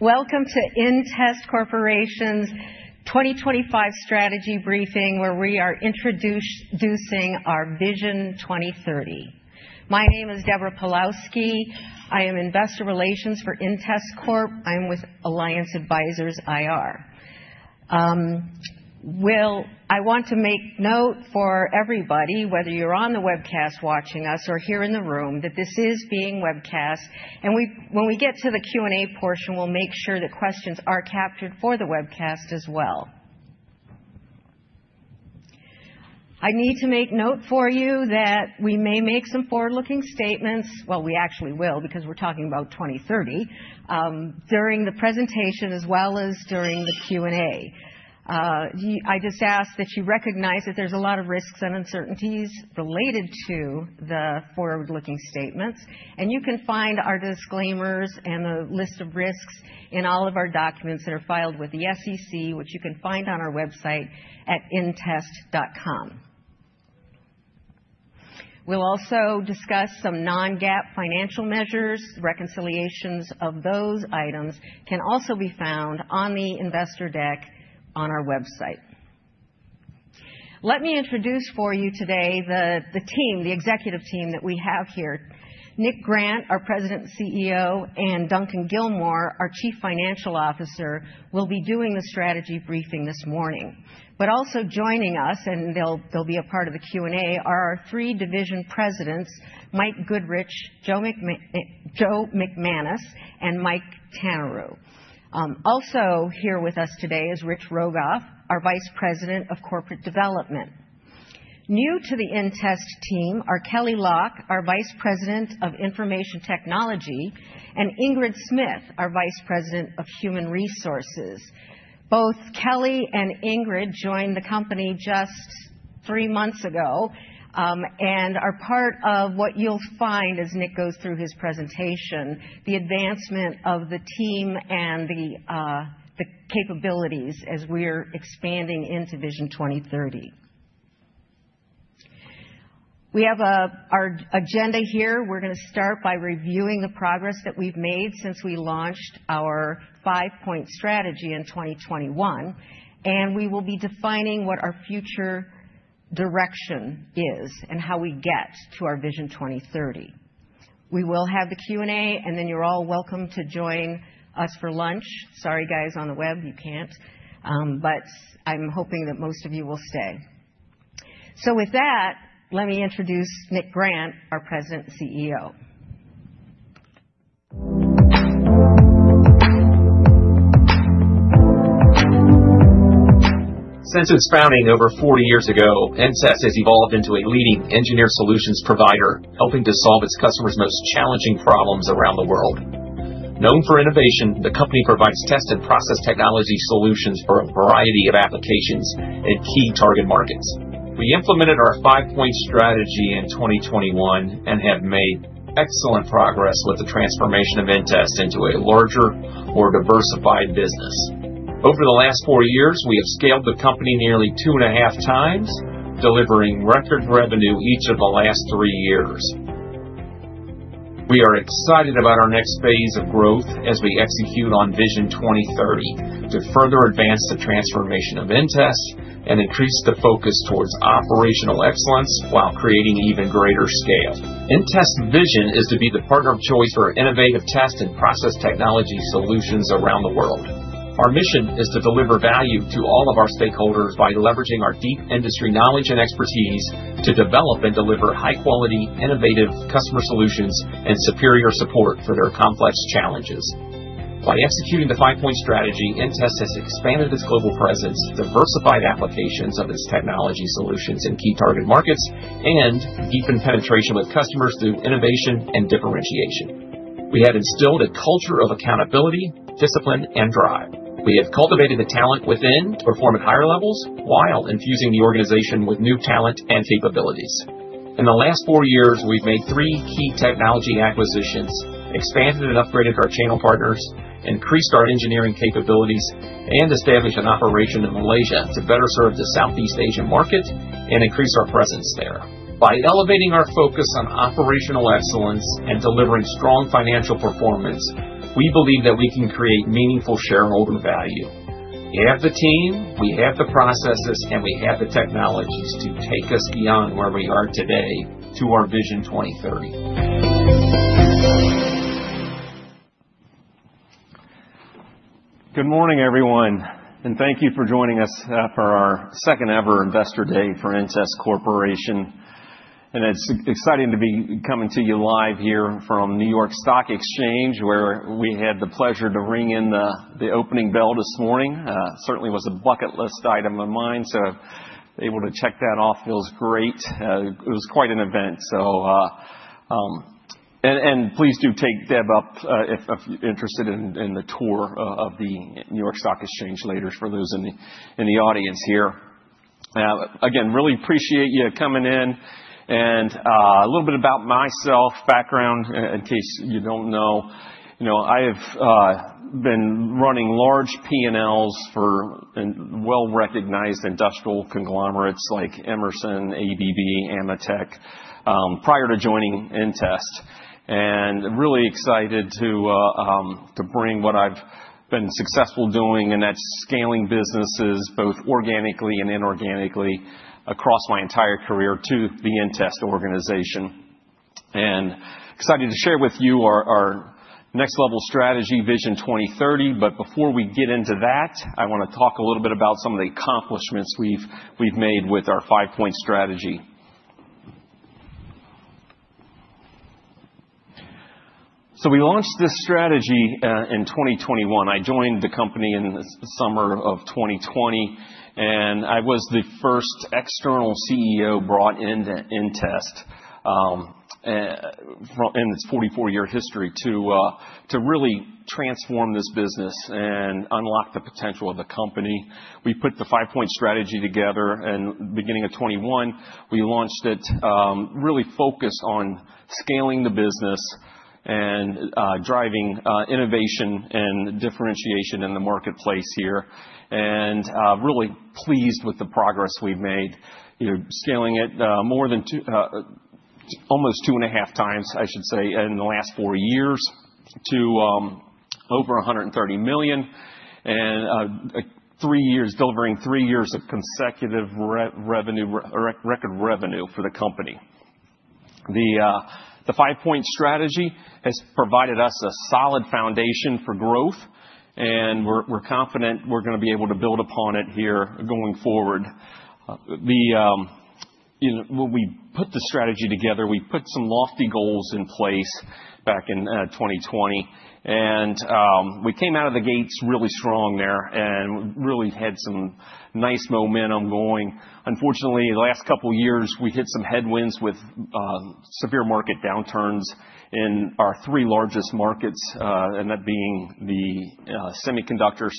Welcome to InTest Corporation's 2025 strategy briefing, where we are introducing our VISION 2030. My name is Deborah Pawlowski. I am Investor Relations for InTest Corporation. I'm with Alliance Advisors IR. I want to make note for everybody, whether you're on the webcast watching us or here in the room, that this is being webcast. When we get to the Q&A portion, we'll make sure that questions are captured for the webcast as well. I need to make note for you that we may make some forward-looking statements—actually, we will, because we're talking about 2030—during the presentation, as well as during the Q&A. I just ask that you recognize that there's a lot of risks and uncertainties related to the forward-looking statements. You can find our disclaimers and the list of risks in all of our documents that are filed with the SEC, which you can find on our website at intest.com. We will also discuss some non-GAAP financial measures. Reconciliations of those items can also be found on the investor deck on our website. Let me introduce for you today the team, the executive team that we have here. Nick Grant, our President and CEO, and Duncan Gilmour, our Chief Financial Officer, will be doing the strategy briefing this morning. Also joining us, and they will be a part of the Q&A, are our three division presidents: Mike Goodrich, Joe McManus, and Mike Tanniru. Also here with us today is Rich Rogoff, our Vice President of Corporate Development. New to the InTest team are Kelley Locke, our Vice President of Information Technology, and Ingrid Smith, our Vice President of Human Resources. Both Kelley and Ingrid joined the company just three months ago and are part of what you'll find as Nick goes through his presentation: the advancement of the team and the capabilities as we're expanding into VISION 2030. We have our agenda here. We're going to start by reviewing the progress that we've made since we launched our 5-Point Strategy in 2021. We will be defining what our future direction is and how we get to our VISION 2030. We will have the Q&A, and then you're all welcome to join us for lunch. Sorry, guys, on the web, you can't. I am hoping that most of you will stay. With that, let me introduce Nick Grant, our President and CEO. Since its founding over 40 years ago, InTest has evolved into a leading engineered solutions provider, helping to solve its customers' most challenging problems around the world. Known for innovation, the company provides test and process technology solutions for a variety of applications and key target markets. We implemented our 5-Point Strategy in 2021 and have made excellent progress with the transformation of InTest into a larger or diversified business. Over the last four years, we have scaled the company nearly two and a half times, delivering record revenue each of the last three years. We are excited about our next phase of growth as we execute on VISION 2030 to further advance the transformation of InTest and increase the focus towards operational excellence while creating even greater scale. InTest's vision is to be the partner of choice for innovative test and process technology solutions around the world. Our mission is to deliver value to all of our stakeholders by leveraging our deep industry knowledge and expertise to develop and deliver high-quality, innovative customer solutions and superior support for their complex challenges. By executing the 5-Point Strategy, InTest has expanded its global presence, diversified applications of its technology solutions in key target markets, and deepened penetration with customers through innovation and differentiation. We have instilled a culture of accountability, discipline, and drive. We have cultivated the talent within to perform at higher levels while infusing the organization with new talent and capabilities. In the last four years, we've made three key technology acquisitions, expanded and upgraded our channel partners, increased our engineering capabilities, and established an operation in Malaysia to better serve the Southeast Asian market and increase our presence there. By elevating our focus on operational excellence and delivering strong financial performance, we believe that we can create meaningful shareholder value. We have the team, we have the processes, and we have the technologies to take us beyond where we are today to our VISION 2030. Good morning, everyone. Thank you for joining us for our second-ever Investor Day for InTest Corporation. It is exciting to be coming to you live here from New York Stock Exchange, where we had the pleasure to ring in the opening bell this morning. It certainly was a bucket list item of mine, so able to check that off feels great. It was quite an event. Please do take Deb up if you're interested in the tour of the New York Stock Exchange later, for those in the audience here. Again, really appreciate you coming in. A little bit about myself, background, in case you don't know. I have been running large P&Ls for well-recognized industrial conglomerates like Emerson, ABB, AMETEK, prior to joining InTest. am really excited to bring what I've been successful doing, and that's scaling businesses both organically and inorganically across my entire career to the InTest organization. I am excited to share with you our next-level strategy, VISION 2030. Before we get into that, I want to talk a little bit about some of the accomplishments we've made with our 5-Point Strategy. We launched this strategy in 2021. I joined the company in the summer of 2020. I was the first external CEO brought into InTest in its 44-year history to really transform this business and unlock the potential of the company. We put the 5-Point Strategy together. At the beginning of 2021, we launched it, really focused on scaling the business and driving innovation and differentiation in the marketplace here. Really pleased with the progress we have made, scaling it almost two and a half times, I should say, in the last four years to over $130 million. Delivering three years of consecutive record revenue for the company. The 5-Point Strategy has provided us a solid foundation for growth. We are confident we are going to be able to build upon it here going forward. When we put the strategy together, we put some lofty goals in place back in 2020. We came out of the gates really strong there and really had some nice momentum going. Unfortunately, the last couple of years, we hit some headwinds with severe market downturns in our three largest markets, that being the semiconductors,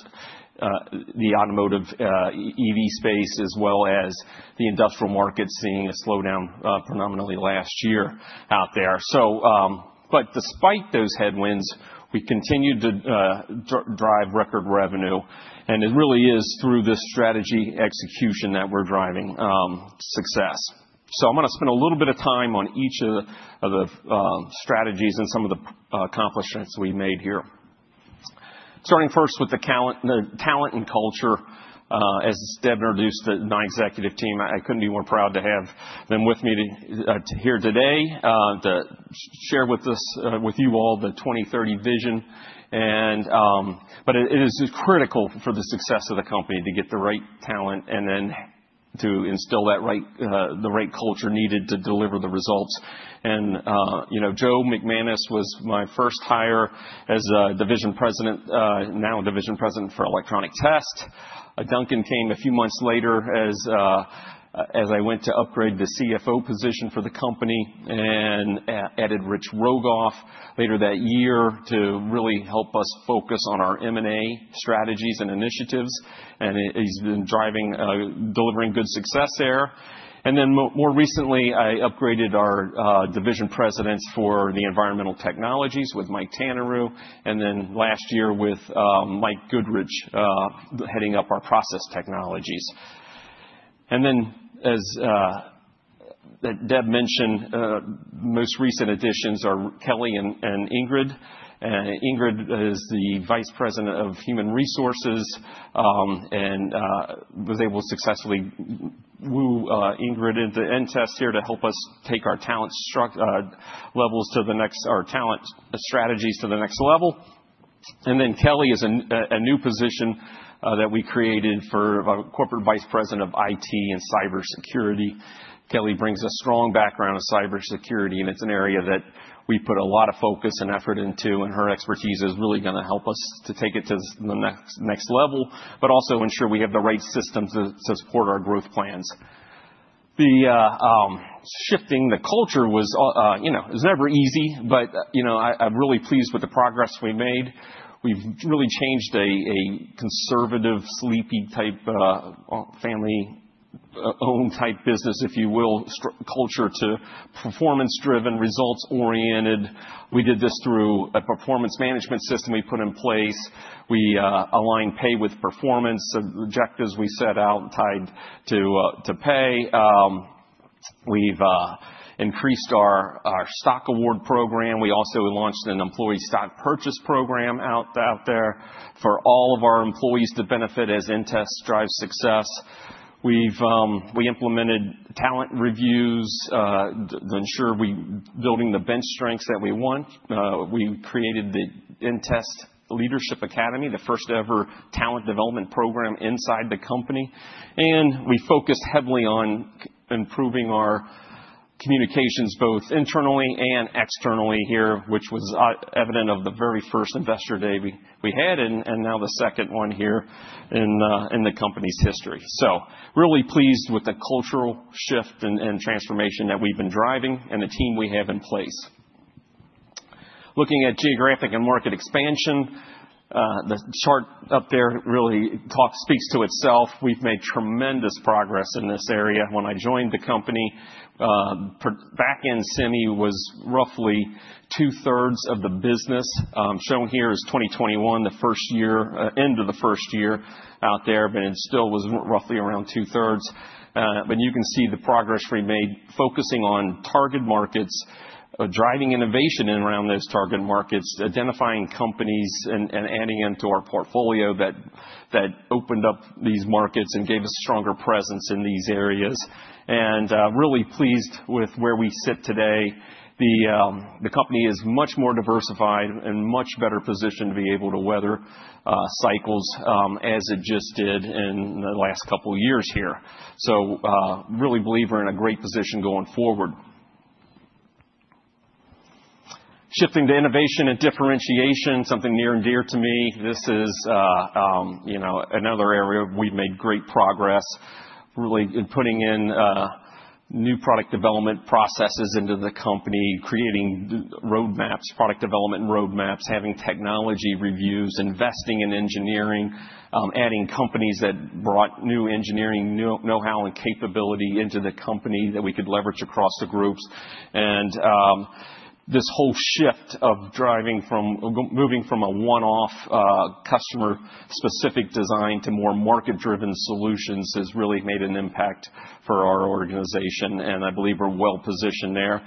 the automotive/EV space, as well as the industrial markets, seeing a slowdown predominantly last year out there. Despite those headwinds, we continue to drive record revenue. It really is through this strategy execution that we're driving success. I'm going to spend a little bit of time on each of the strategies and some of the accomplishments we've made here. Starting first with the talent and culture. As Deb introduced the nine executive team, I couldn't be more proud to have them with me here today to share with you all the 2030 vision. It is critical for the success of the company to get the right talent and then to instill the right culture needed to deliver the results. Joe McManus was my first hire as a Division President, now a Division President for Electronic Test. Duncan came a few months later as I went to upgrade the CFO position for the company and added Rich Rogoff later that year to really help us focus on our M&A strategies and initiatives. He's been delivering good success there. More recently, I upgraded our division presidents for Environmental Technologies with Mike Tanniru. Last year, Mike Goodrich headed up our Process Technologies. As Deb mentioned, the most recent additions are Kelley and Ingrid. Ingrid is the Vice President of Human Resources and was able to successfully woo Ingrid into InTest here to help us take our talent strategies to the next level. Kelley is a new position that we created for a Corporate Vice President of IT and Cybersecurity. Kelley brings a strong background in cybersecurity, and it's an area that we put a lot of focus and effort into. Her expertise is really going to help us to take it to the next level, but also ensure we have the right systems to support our growth plans. Shifting the culture was never easy, but I'm really pleased with the progress we made. We've really changed a conservative, sleepy-type, family-owned-type business, if you will, culture to performance-driven, results-oriented. We did this through a performance management system we put in place. We align pay with performance. The objectives we set out tied to pay. We've increased our stock award program. We also launched an employee stock purchase program out there for all of our employees to benefit as InTest drives success. We implemented talent reviews to ensure we're building the bench strengths that we want. We created the InTest Leadership Academy, the first-ever talent development program inside the company. We focused heavily on improving our communications both internally and externally here, which was evident of the very first Investor Day we had and now the second one here in the company's history. Really pleased with the cultural shift and transformation that we've been driving and the team we have in place. Looking at geographic and market expansion, the chart up there really speaks to itself. We've made tremendous progress in this area. When I joined the company, back-end semi was roughly two-thirds of the business. Shown here is 2021, the end of the first year out there, but it still was roughly around two-thirds. You can see the progress we made focusing on target markets, driving innovation around those target markets, identifying companies, and adding into our portfolio that opened up these markets and gave us a stronger presence in these areas. Really pleased with where we sit today. The company is much more diversified and much better positioned to be able to weather cycles as it just did in the last couple of years here. I really believe we're in a great position going forward. Shifting to innovation and differentiation, something near and dear to me. This is another area we've made great progress, really in putting in new product development processes into the company, creating product development roadmaps, having technology reviews, investing in engineering, adding companies that brought new engineering know-how and capability into the company that we could leverage across the groups. This whole shift of moving from a one-off customer-specific design to more market-driven solutions has really made an impact for our organization. I believe we're well positioned there.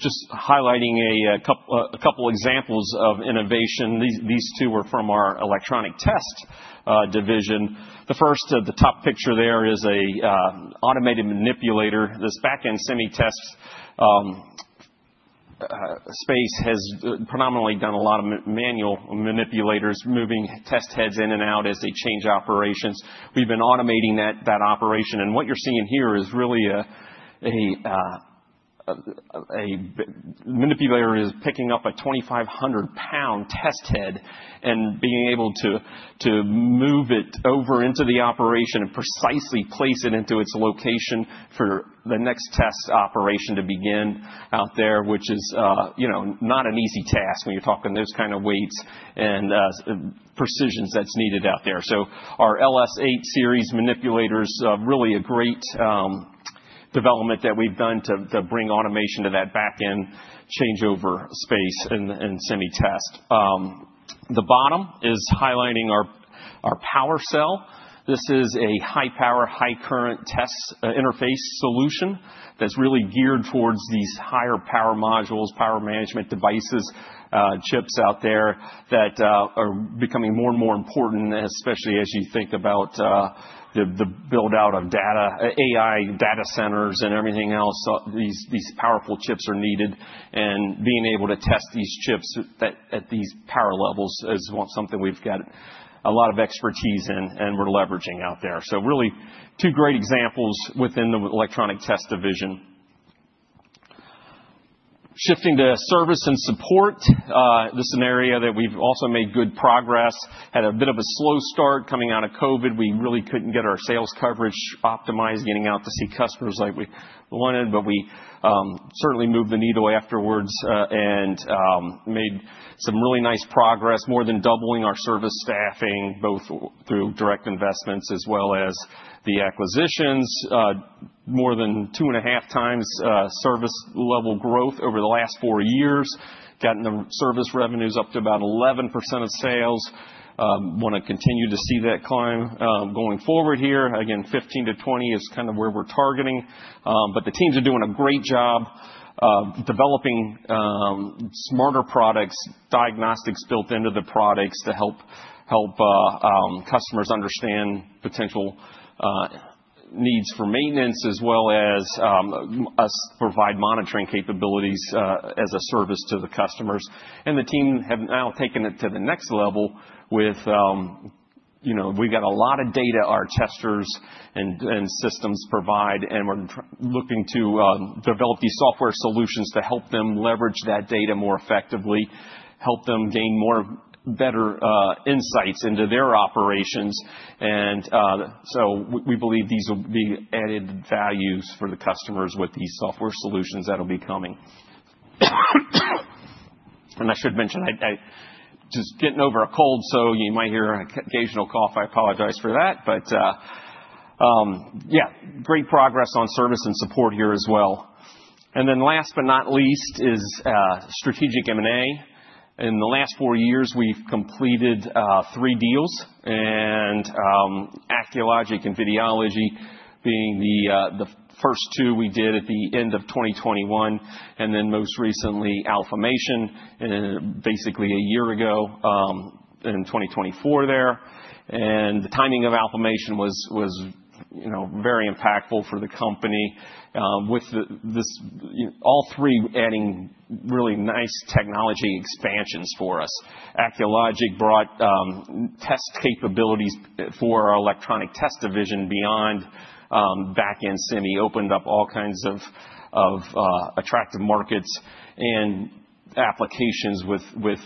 Just highlighting a couple of examples of innovation. These two are from our Electronic Test division. The first, the top picture there is an automated manipulator. This back-end semi test space has predominantly done a lot of manual manipulators, moving test heads in and out as they change operations. We've been automating that operation. What you're seeing here is really a manipulator picking up a 2,500-pound test head and being able to move it over into the operation and precisely place it into its location for the next test operation to begin out there, which is not an easy task when you're talking those kinds of weights and precisions that's needed out there. Our LS 8 series manipulators are really a great development that we've done to bring automation to that back-end changeover space in back-end semi test. The bottom is highlighting our Power Cell. This is a high-power, high-current test interface solution that's really geared towards these higher power modules, power management devices, chips out there that are becoming more and more important, especially as you think about the build-out of data, AI data centers, and everything else. These powerful chips are needed. Being able to test these chips at these power levels is something we've got a lot of expertise in and we're leveraging out there. Really two great examples within the Electronic Test division. Shifting to service and support, this is an area that we've also made good progress. Had a bit of a slow start coming out of COVID. We really couldn't get our sales coverage optimized, getting out to see customers like we wanted. We certainly moved the needle afterwards and made some really nice progress, more than doubling our service staffing, both through direct investments as well as the acquisitions. More than two and a half times service level growth over the last four years. Gotten the service revenues up to about 11% of sales. Want to continue to see that climb going forward here. Again, 15%-20% is kind of where we're targeting. The teams are doing a great job developing smarter products, diagnostics built into the products to help customers understand potential needs for maintenance, as well as us provide monitoring capabilities as a service to the customers. The team have now taken it to the next level with we have got a lot of data our testers and systems provide. We are looking to develop these software solutions to help them leverage that data more effectively, help them gain better insights into their operations. We believe these will be added values for the customers with these software solutions that will be coming. I should mention, just getting over a cold, so you might hear an occasional cough. I apologize for that. Great progress on service and support here as well. Last but not least is strategic M&A. In the last four years, we've completed three deals, and Acculogic and Videology being the first two we did at the end of 2021. Most recently, Alfamation, basically a year ago in 2024 there. The timing of Alfamation was very impactful for the company with all three adding really nice technology expansions for us. Acculogic brought test capabilities for our Electronic Test division beyond back-end semi. Opened up all kinds of attractive markets and applications with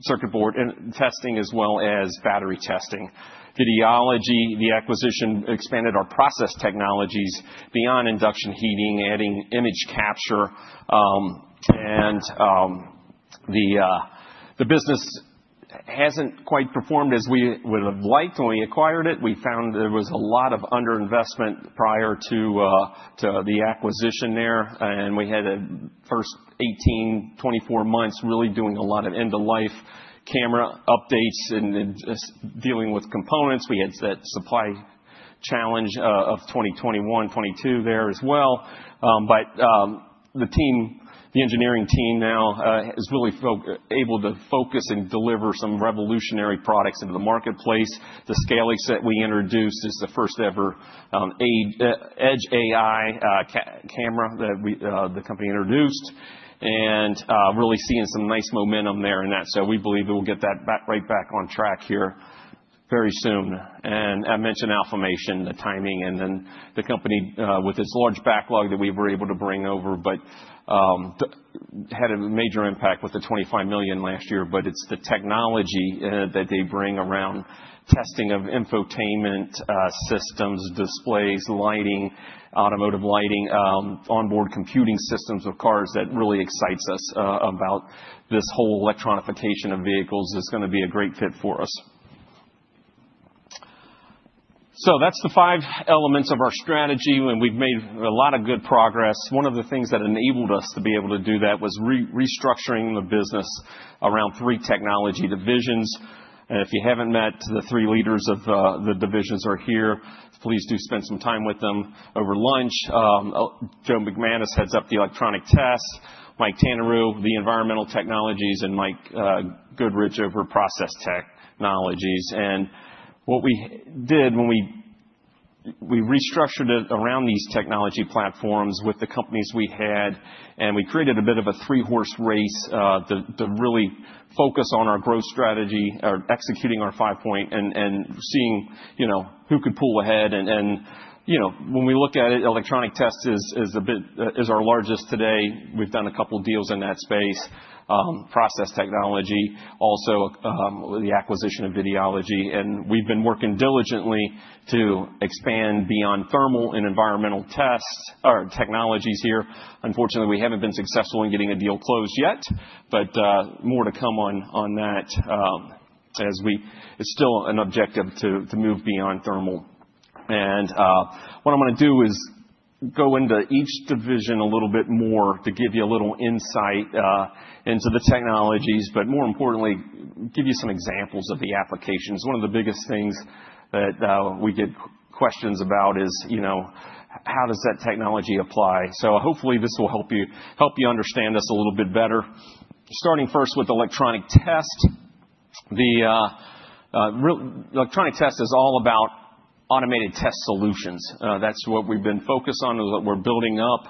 circuit board testing as well as battery testing. Videology, the acquisition, expanded our process technologies beyond induction heating, adding image capture. The business hasn't quite performed as we would have liked. When we acquired it, we found there was a lot of underinvestment prior to the acquisition there. We had the first 18, 24 months really doing a lot of end-of-life camera updates and dealing with components. We had that supply challenge of 2021, 2022 there as well. The engineering team now is really able to focus and deliver some revolutionary products into the marketplace. The SCAiLX that we introduced is the first-ever edge AI camera that the company introduced. Really seeing some nice momentum there in that. We believe we'll get that right back on track here very soon. I mentioned Alfamation, the timing, and then the company with its large backlog that we were able to bring over, but had a major impact with the $25 million last year. It is the technology that they bring around testing of infotainment systems, displays, lighting, automotive lighting, onboard computing systems of cars that really excites us about this whole electronification of vehicles. It is going to be a great fit for us. That is the five elements of our strategy, and we've made a lot of good progress. One of the things that enabled us to be able to do that was restructuring the business around three technology divisions. If you haven't met, the three leaders of the divisions are here. Please do spend some time with them over lunch. Joe McManus heads up the Electronic Test, Mike Tanniru, the Environmental Technologies, and Mike Goodrich over Process Technologies. What we did when we restructured it around these technology platforms with the companies we had, we created a bit of a three-horse race to really focus on our growth strategy, executing our 5-Point, and seeing who could pull ahead. When we look at it, Electronic Test is our largest today. We've done a couple of deals in that space, Process Technology, also the acquisition of Videology. We have been working diligently to expand beyond thermal and environmental tests or technologies here. Unfortunately, we have not been successful in getting a deal closed yet, but more to come on that as it is still an objective to move beyond thermal. What I am going to do is go into each division a little bit more to give you a little insight into the technologies, but more importantly, give you some examples of the applications. One of the biggest things that we get questions about is how does that technology apply. Hopefully this will help you understand us a little bit better. Starting first with Electronic Test. The Electronic Test is all about automated test solutions. That is what we have been focused on, what we are building up.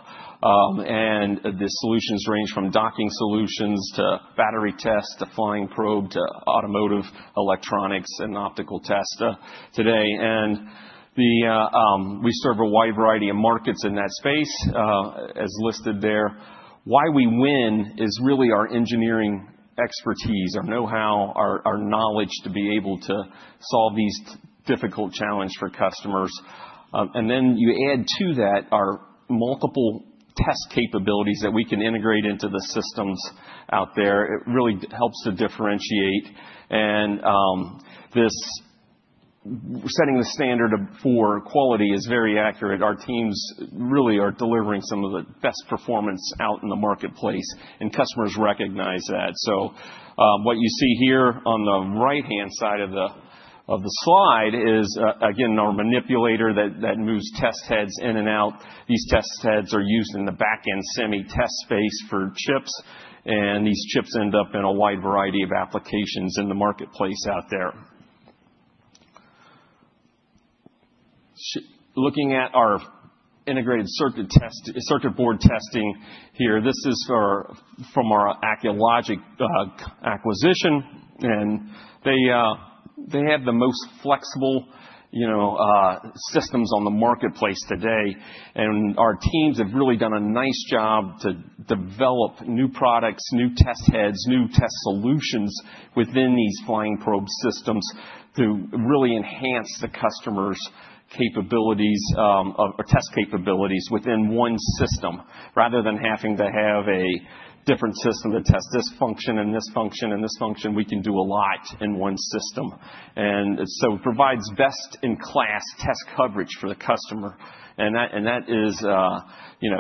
The solutions range from docking solutions to battery tests to flying probe to automotive electronics and optical tests today. We serve a wide variety of markets in that space as listed there. Why we win is really our engineering expertise, our know-how, our knowledge to be able to solve these difficult challenges for customers. You add to that our multiple test capabilities that we can integrate into the systems out there. It really helps to differentiate. This setting the standard for quality is very accurate. Our teams really are delivering some of the best performance out in the marketplace, and customers recognize that. What you see here on the right-hand side of the slide is, again, our manipulator that moves test heads in and out. These test heads are used in the back-end semi test space for chips. These chips end up in a wide variety of applications in the marketplace out there. Looking at our integrated circuit board testing here, this is from our Acculogic acquisition. They have the most flexible systems on the marketplace today. Our teams have really done a nice job to develop new products, new test heads, new test solutions within these flying probe systems to really enhance the customer's test capabilities within one system, rather than having to have a different system that tests this function and this function and this function. We can do a lot in one system. It provides best-in-class test coverage for the customer. That is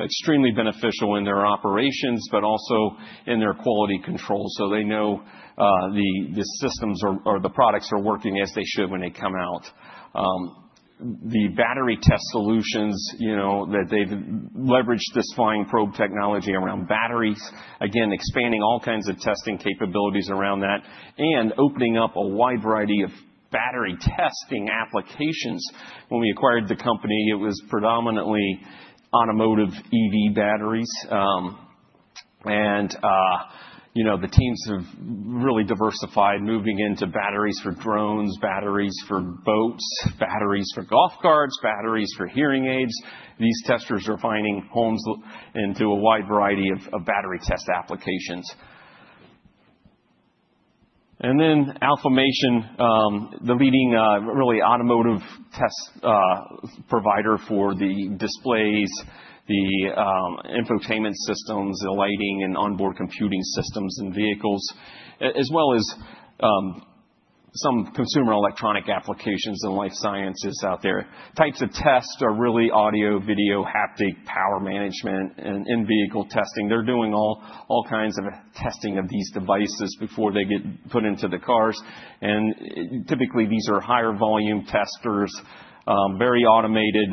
extremely beneficial in their operations, but also in their quality control. They know the systems or the products are working as they should when they come out. The battery test solutions that they've leveraged this flying probe technology around batteries, again, expanding all kinds of testing capabilities around that and opening up a wide variety of battery testing applications. When we acquired the company, it was predominantly automotive/EV batteries. The teams have really diversified, moving into batteries for drones, batteries for boats, batteries for golf carts, batteries for hearing aids. These testers are finding homes into a wide variety of battery test applications. Alfamation, the leading really automotive test provider for the displays, the infotainment systems, the lighting, and onboard computing systems in vehicles, as well as some consumer electronic applications and life sciences out there. Types of tests are really audio, video, haptic, power management, and in-vehicle testing. They're doing all kinds of testing of these devices before they get put into the cars. Typically, these are higher volume testers, very automated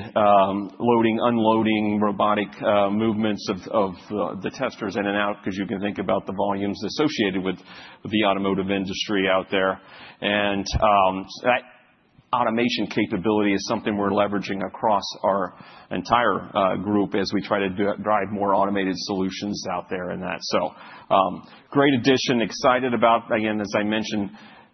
loading, unloading, robotic movements of the testers in and out because you can think about the volumes associated with the automotive industry out there. That automation capability is something we're leveraging across our entire group as we try to drive more automated solutions out there in that. Great addition, excited about. Again, as I mentioned,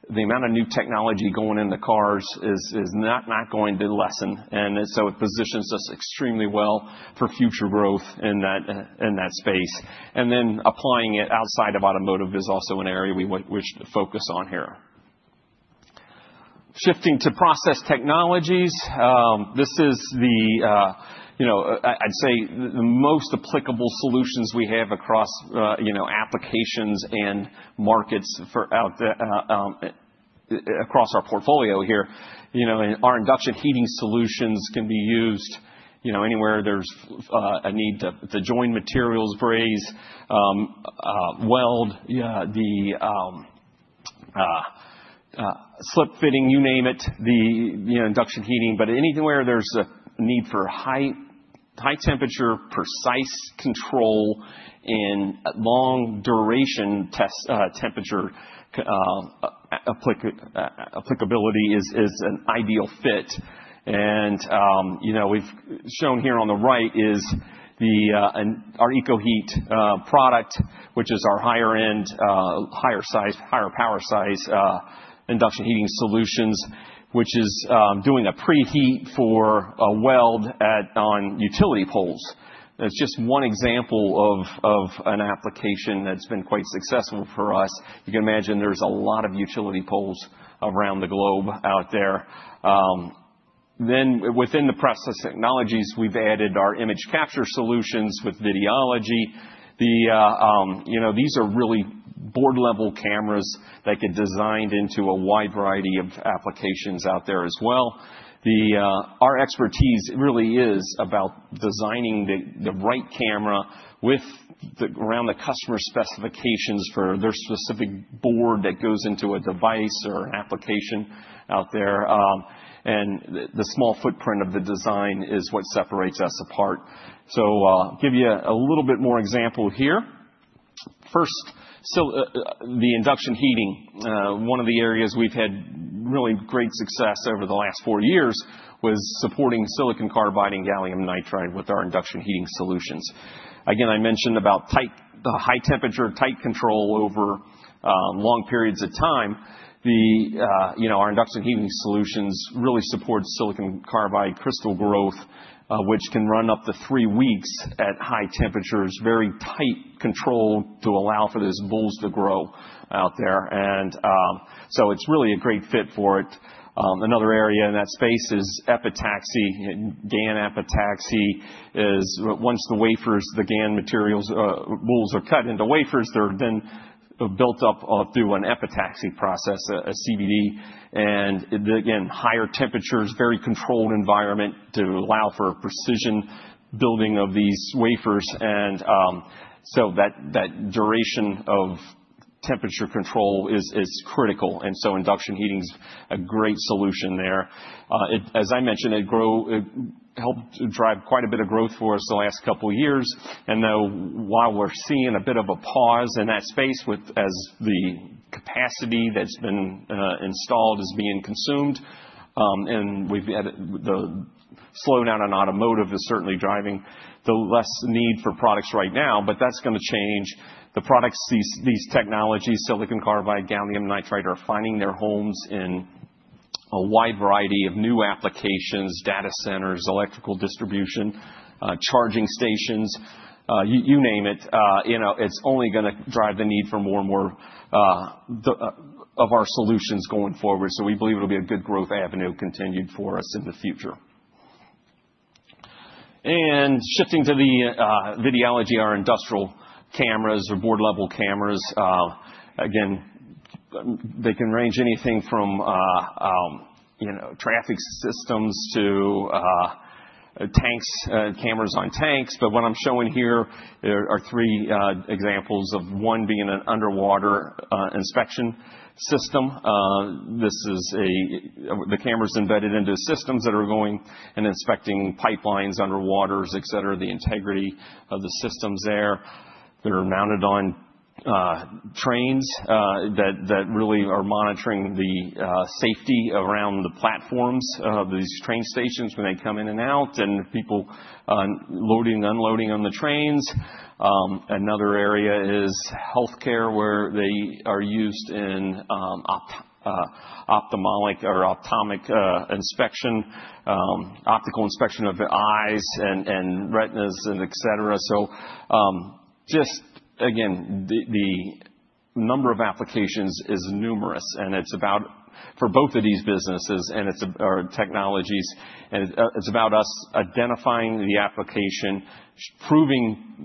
the amount of new technology going in the cars is not going to lessen. It positions us extremely well for future growth in that space. Applying it outside of automotive is also an area we wish to focus on here. Shifting to process technologies, this is the, I'd say, the most applicable solutions we have across applications and markets across our portfolio here. Our induction heating solutions can be used anywhere there's a need to join materials, braze, weld, the slip fitting, you name it, the induction heating. Anywhere there's a need for high temperature, precise control, and long-duration test temperature applicability is an ideal fit. Shown here on the right is our EKOHEAT product, which is our higher-end, higher power size induction heating solutions, which is doing a preheat for a weld on utility poles. That's just one example of an application that's been quite successful for us. You can imagine there's a lot of utility poles around the globe out there. Within the process technologies, we've added our image capture solutions with Videology. These are really board-level cameras that get designed into a wide variety of applications out there as well. Our expertise really is about designing the right camera around the customer specifications for their specific board that goes into a device or an application out there. The small footprint of the design is what separates us apart. I'll give you a little bit more example here. First, the induction heating. One of the areas we've had really great success over the last four years was supporting silicon carbide and gallium nitride with our induction heating solutions. Again, I mentioned about the high temperature tight control over long periods of time. Our induction heating solutions really support silicon carbide crystal growth, which can run up to three weeks at high temperatures, very tight control to allow for those bowls to grow out there. It's really a great fit for it. Another area in that space is epitaxy, GaN epitaxy. Once the wafers, the GaN materials, bowls are cut into wafers, they're then built up through an epitaxy process, a CVD. Higher temperatures, very controlled environment to allow for precision building of these wafers. That duration of temperature control is critical. Induction heating is a great solution there. As I mentioned, it helped drive quite a bit of growth for us the last couple of years. Now, while we're seeing a bit of a pause in that space as the capacity that's been installed is being consumed, and the slowdown in automotive is certainly driving the less need for products right now, that's going to change. The products, these technologies, silicon carbide, gallium nitride, are finding their homes in a wide variety of new applications, data centers, electrical distribution, charging stations, you name it. It's only going to drive the need for more and more of our solutions going forward. We believe it'll be a good growth avenue continued for us in the future. Shifting to the Videology, our industrial cameras or board-level cameras, they can range anything from traffic systems to cameras on tanks. What I'm showing here are three examples of one being an underwater inspection system. This is the cameras embedded into systems that are going and inspecting pipelines, underwaters, etc., the integrity of the systems there. They're mounted on trains that really are monitoring the safety around the platforms of these train stations when they come in and out and people loading and unloading on the trains. Another area is healthcare where they are used in ophthalmic or optical inspection of the eyes and retinas and etc. Just, again, the number of applications is numerous. It is about for both of these businesses and our technologies. It is about us identifying the application, proving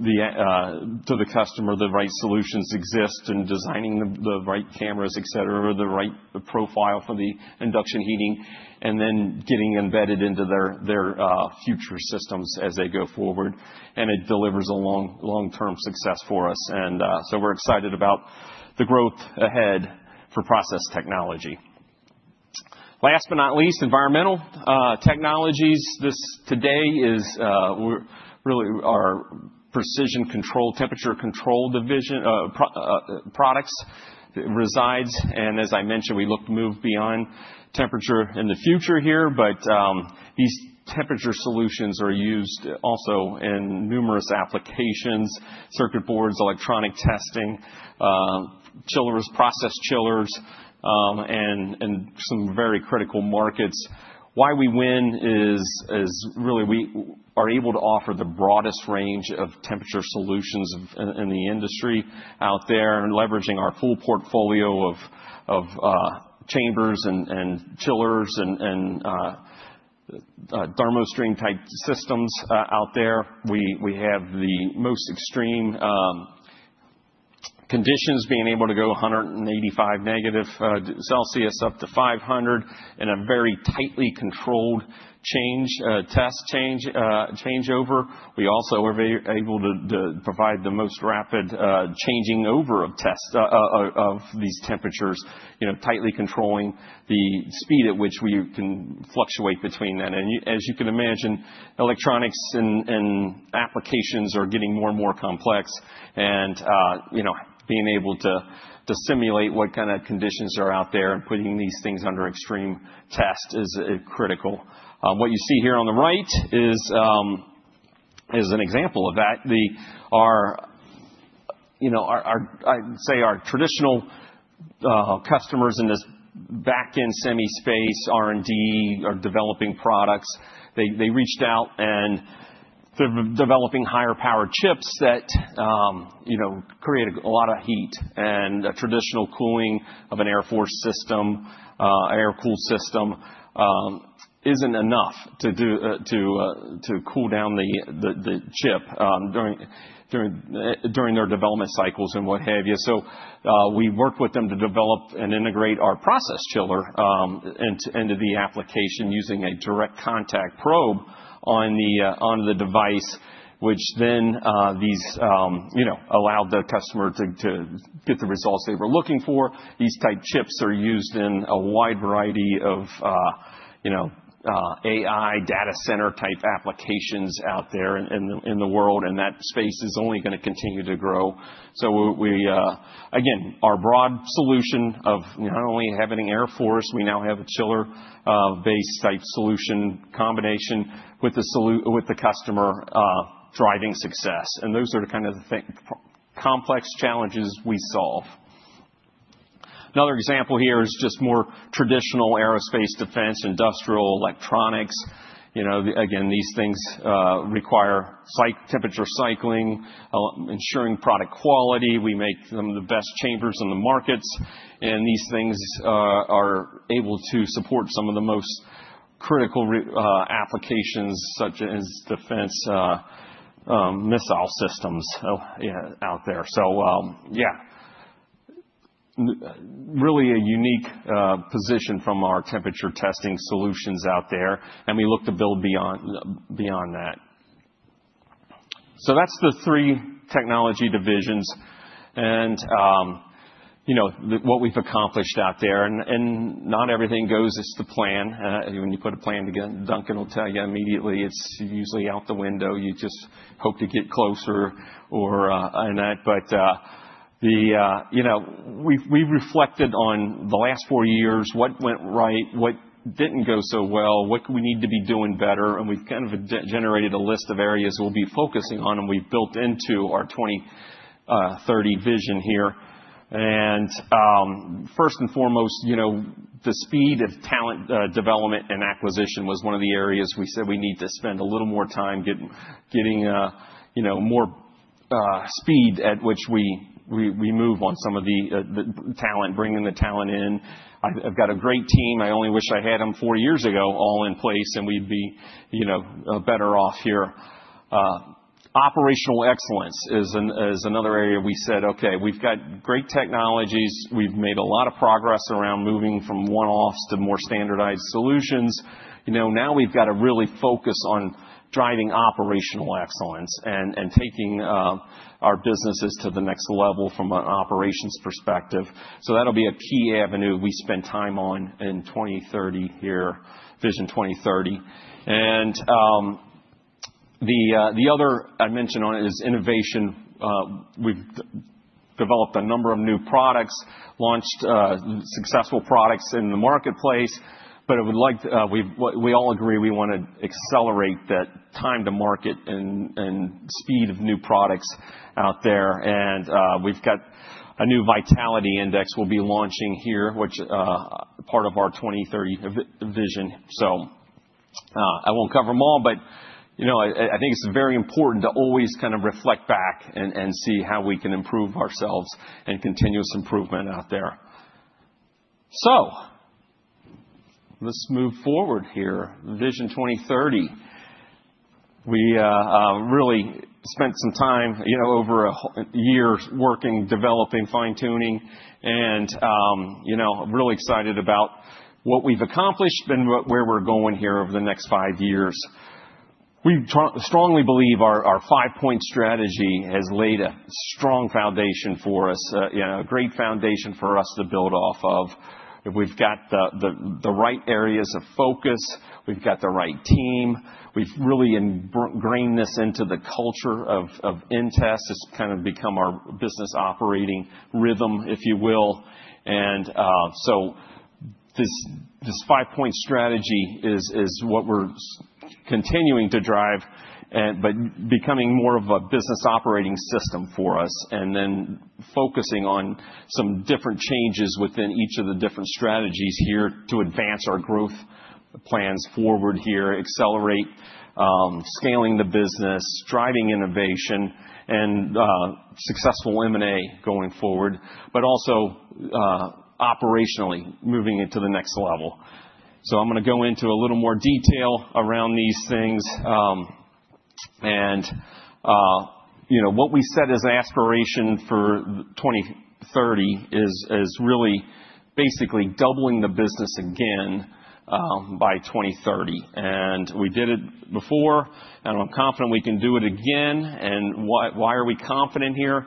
to the customer the right solutions exist, and designing the right cameras, etc., or the right profile for the induction heating, and then getting embedded into their future systems as they go forward. It delivers a long-term success for us. We are excited about the growth ahead for process technology. Last but not least, Environmental Technologies. Today, really, our precision control, temperature control products resides. As I mentioned, we look to move beyond temperature in the future here. These temperature solutions are used also in numerous applications, circuit boards, electronic testing, process chillers, and some very critical markets. Why we win is really we are able to offer the broadest range of temperature solutions in the industry out there, leveraging our full portfolio of chambers and chillers and ThermoStream type systems out there. We have the most extreme conditions, being able to go negative 185 degrees Celsius up to 500 in a very tightly controlled test changeover. We also are able to provide the most rapid changing over of these temperatures, tightly controlling the speed at which we can fluctuate between that. As you can imagine, electronics and applications are getting more and more complex. Being able to simulate what kind of conditions are out there and putting these things under extreme test is critical. What you see here on the right is an example of that. I'd say our traditional customers in this back-end semi space, R&D, are developing products. They reached out and they're developing higher power chips that create a lot of heat. Traditional cooling of an air force system, air cool system, isn't enough to cool down the chip during their development cycles and what have you. We worked with them to develop and integrate our process chiller into the application using a direct contact probe on the device, which then allowed the customer to get the results they were looking for. These type chips are used in a wide variety of AI data center type applications out there in the world. That space is only going to continue to grow. Our broad solution of not only having air force, we now have a chiller-based type solution combination with the customer driving success. Those are kind of the complex challenges we solve. Another example here is just more traditional aerospace defense, industrial, electronics. Again, these things require temperature cycling, ensuring product quality. We make some of the best chambers in the markets. These things are able to support some of the most critical applications, such as defense missile systems out there. Really a unique position from our temperature testing solutions out there. We look to build beyond that. That is the three technology divisions and what we have accomplished out there. Not everything goes as the plan. When you put a plan together, Duncan will tell you immediately, it is usually out the window. You just hope to get closer or that. We have reflected on the last four years, what went right, what did not go so well, what we need to be doing better. We have kind of generated a list of areas we will be focusing on, and we have built into our 2030 vision here. First and foremost, the speed of talent development and acquisition was one of the areas we said we need to spend a little more time getting more speed at which we move on some of the talent, bringing the talent in. I have got a great team. I only wish I had them four years ago all in place, and we would be better off here. Operational excellence is another area we said, "Okay, we have got great technologies. We have made a lot of progress around moving from one-offs to more standardized solutions. Now we have got to really focus on driving operational excellence and taking our businesses to the next level from an operations perspective." That will be a key avenue we spend time on in 2030 here, VISION 2030. The other I mentioned on it is innovation. We've developed a number of new products, launched successful products in the marketplace. We all agree we want to accelerate that time to market and speed of new products out there. We've got a new vitality index we'll be launching here, which is part of our 2030 vision. I won't cover them all, but I think it's very important to always kind of reflect back and see how we can improve ourselves and continuous improvement out there. Let's move forward here. VISION 2030. We really spent some time, over a year, working, developing, fine-tuning, and really excited about what we've accomplished and where we're going here over the next five years. We strongly believe our 5-Point Strategy has laid a strong foundation for us, a great foundation for us to build off of. We've got the right areas of focus. We've got the right team. We've really ingrained this into the culture of InTest. It's kind of become our business operating rhythm, if you will. This 5-Point Strategy is what we're continuing to drive, but becoming more of a business operating system for us, and focusing on some different changes within each of the different strategies here to advance our growth plans forward here, accelerate scaling the business, driving innovation, and successful M&A going forward, also operationally moving it to the next level. I'm going to go into a little more detail around these things. What we set as aspiration for 2030 is really basically doubling the business again by 2030. We did it before, and I'm confident we can do it again. Why are we confident here?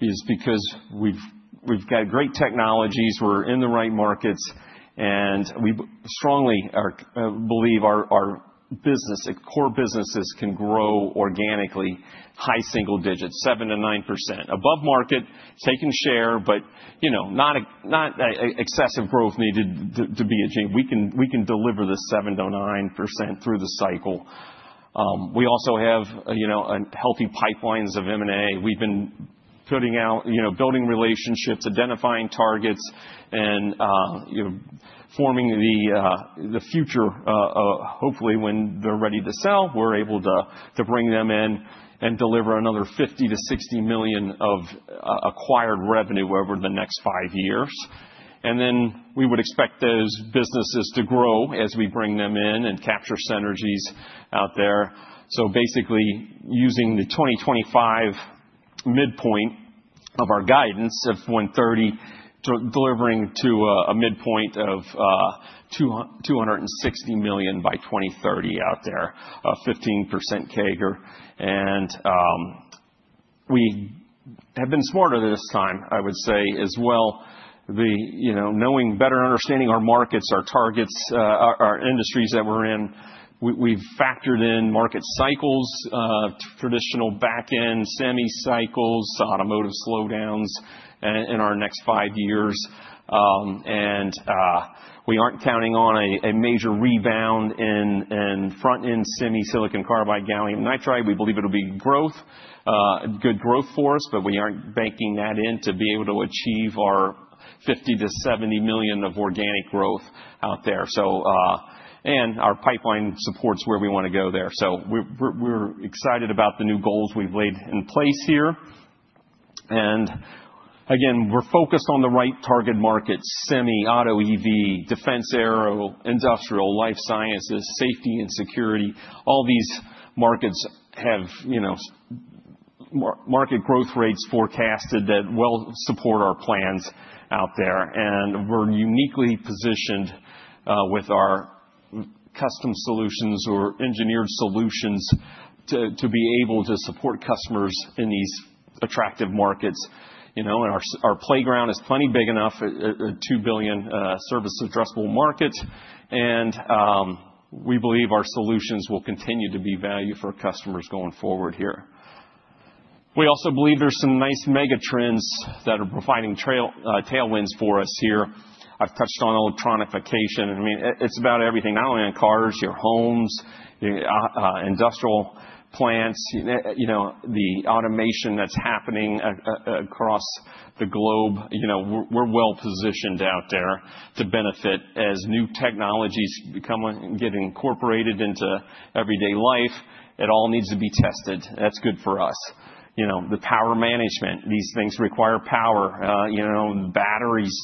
It's because we've got great technologies. We're in the right markets. And we strongly believe our core businesses can grow organically, high single digits, 7-9% above market, taking share, but not excessive growth needed to be a jam. We can deliver the 7%-9% through the cycle. We also have healthy pipelines of M&A. We've been putting out, building relationships, identifying targets, and forming the future. Hopefully, when they're ready to sell, we're able to bring them in and deliver another $50 million-$60 million of acquired revenue over the next five years. And then we would expect those businesses to grow as we bring them in and capture synergies out there. So basically, using the 2025 midpoint of our guidance of $130 million, delivering to a midpoint of $260 million by 2030 out there, 15% CAGR. And we have been smarter this time, I would say, as well. Knowing better, understanding our markets, our targets, our industries that we're in, we've factored in market cycles, traditional back-end semi cycles, automotive slowdowns in our next five years. We aren't counting on a major rebound in front-end semi, silicon carbide, gallium nitride. We believe it'll be good growth for us, but we aren't banking that in to be able to achieve our $50 million-$70 million of organic growth out there. Our pipeline supports where we want to go there. We're excited about the new goals we've laid in place here. Again, we're focused on the right target markets: semi, auto, EV, defense aero, industrial, life sciences, safety, and security. All these markets have market growth rates forecasted that well support our plans out there. We're uniquely positioned with our custom solutions or engineered solutions to be able to support customers in these attractive markets. Our playground is plenty big enough, a $2 billion service addressable market. We believe our solutions will continue to be value for customers going forward here. We also believe there are some nice mega trends that are providing tailwinds for us here. I have touched on electronification. I mean, it is about everything, not only in cars, your homes, industrial plants, the automation that is happening across the globe. We are well positioned out there to benefit as new technologies get incorporated into everyday life. It all needs to be tested. That is good for us. The power management, these things require power. Batteries,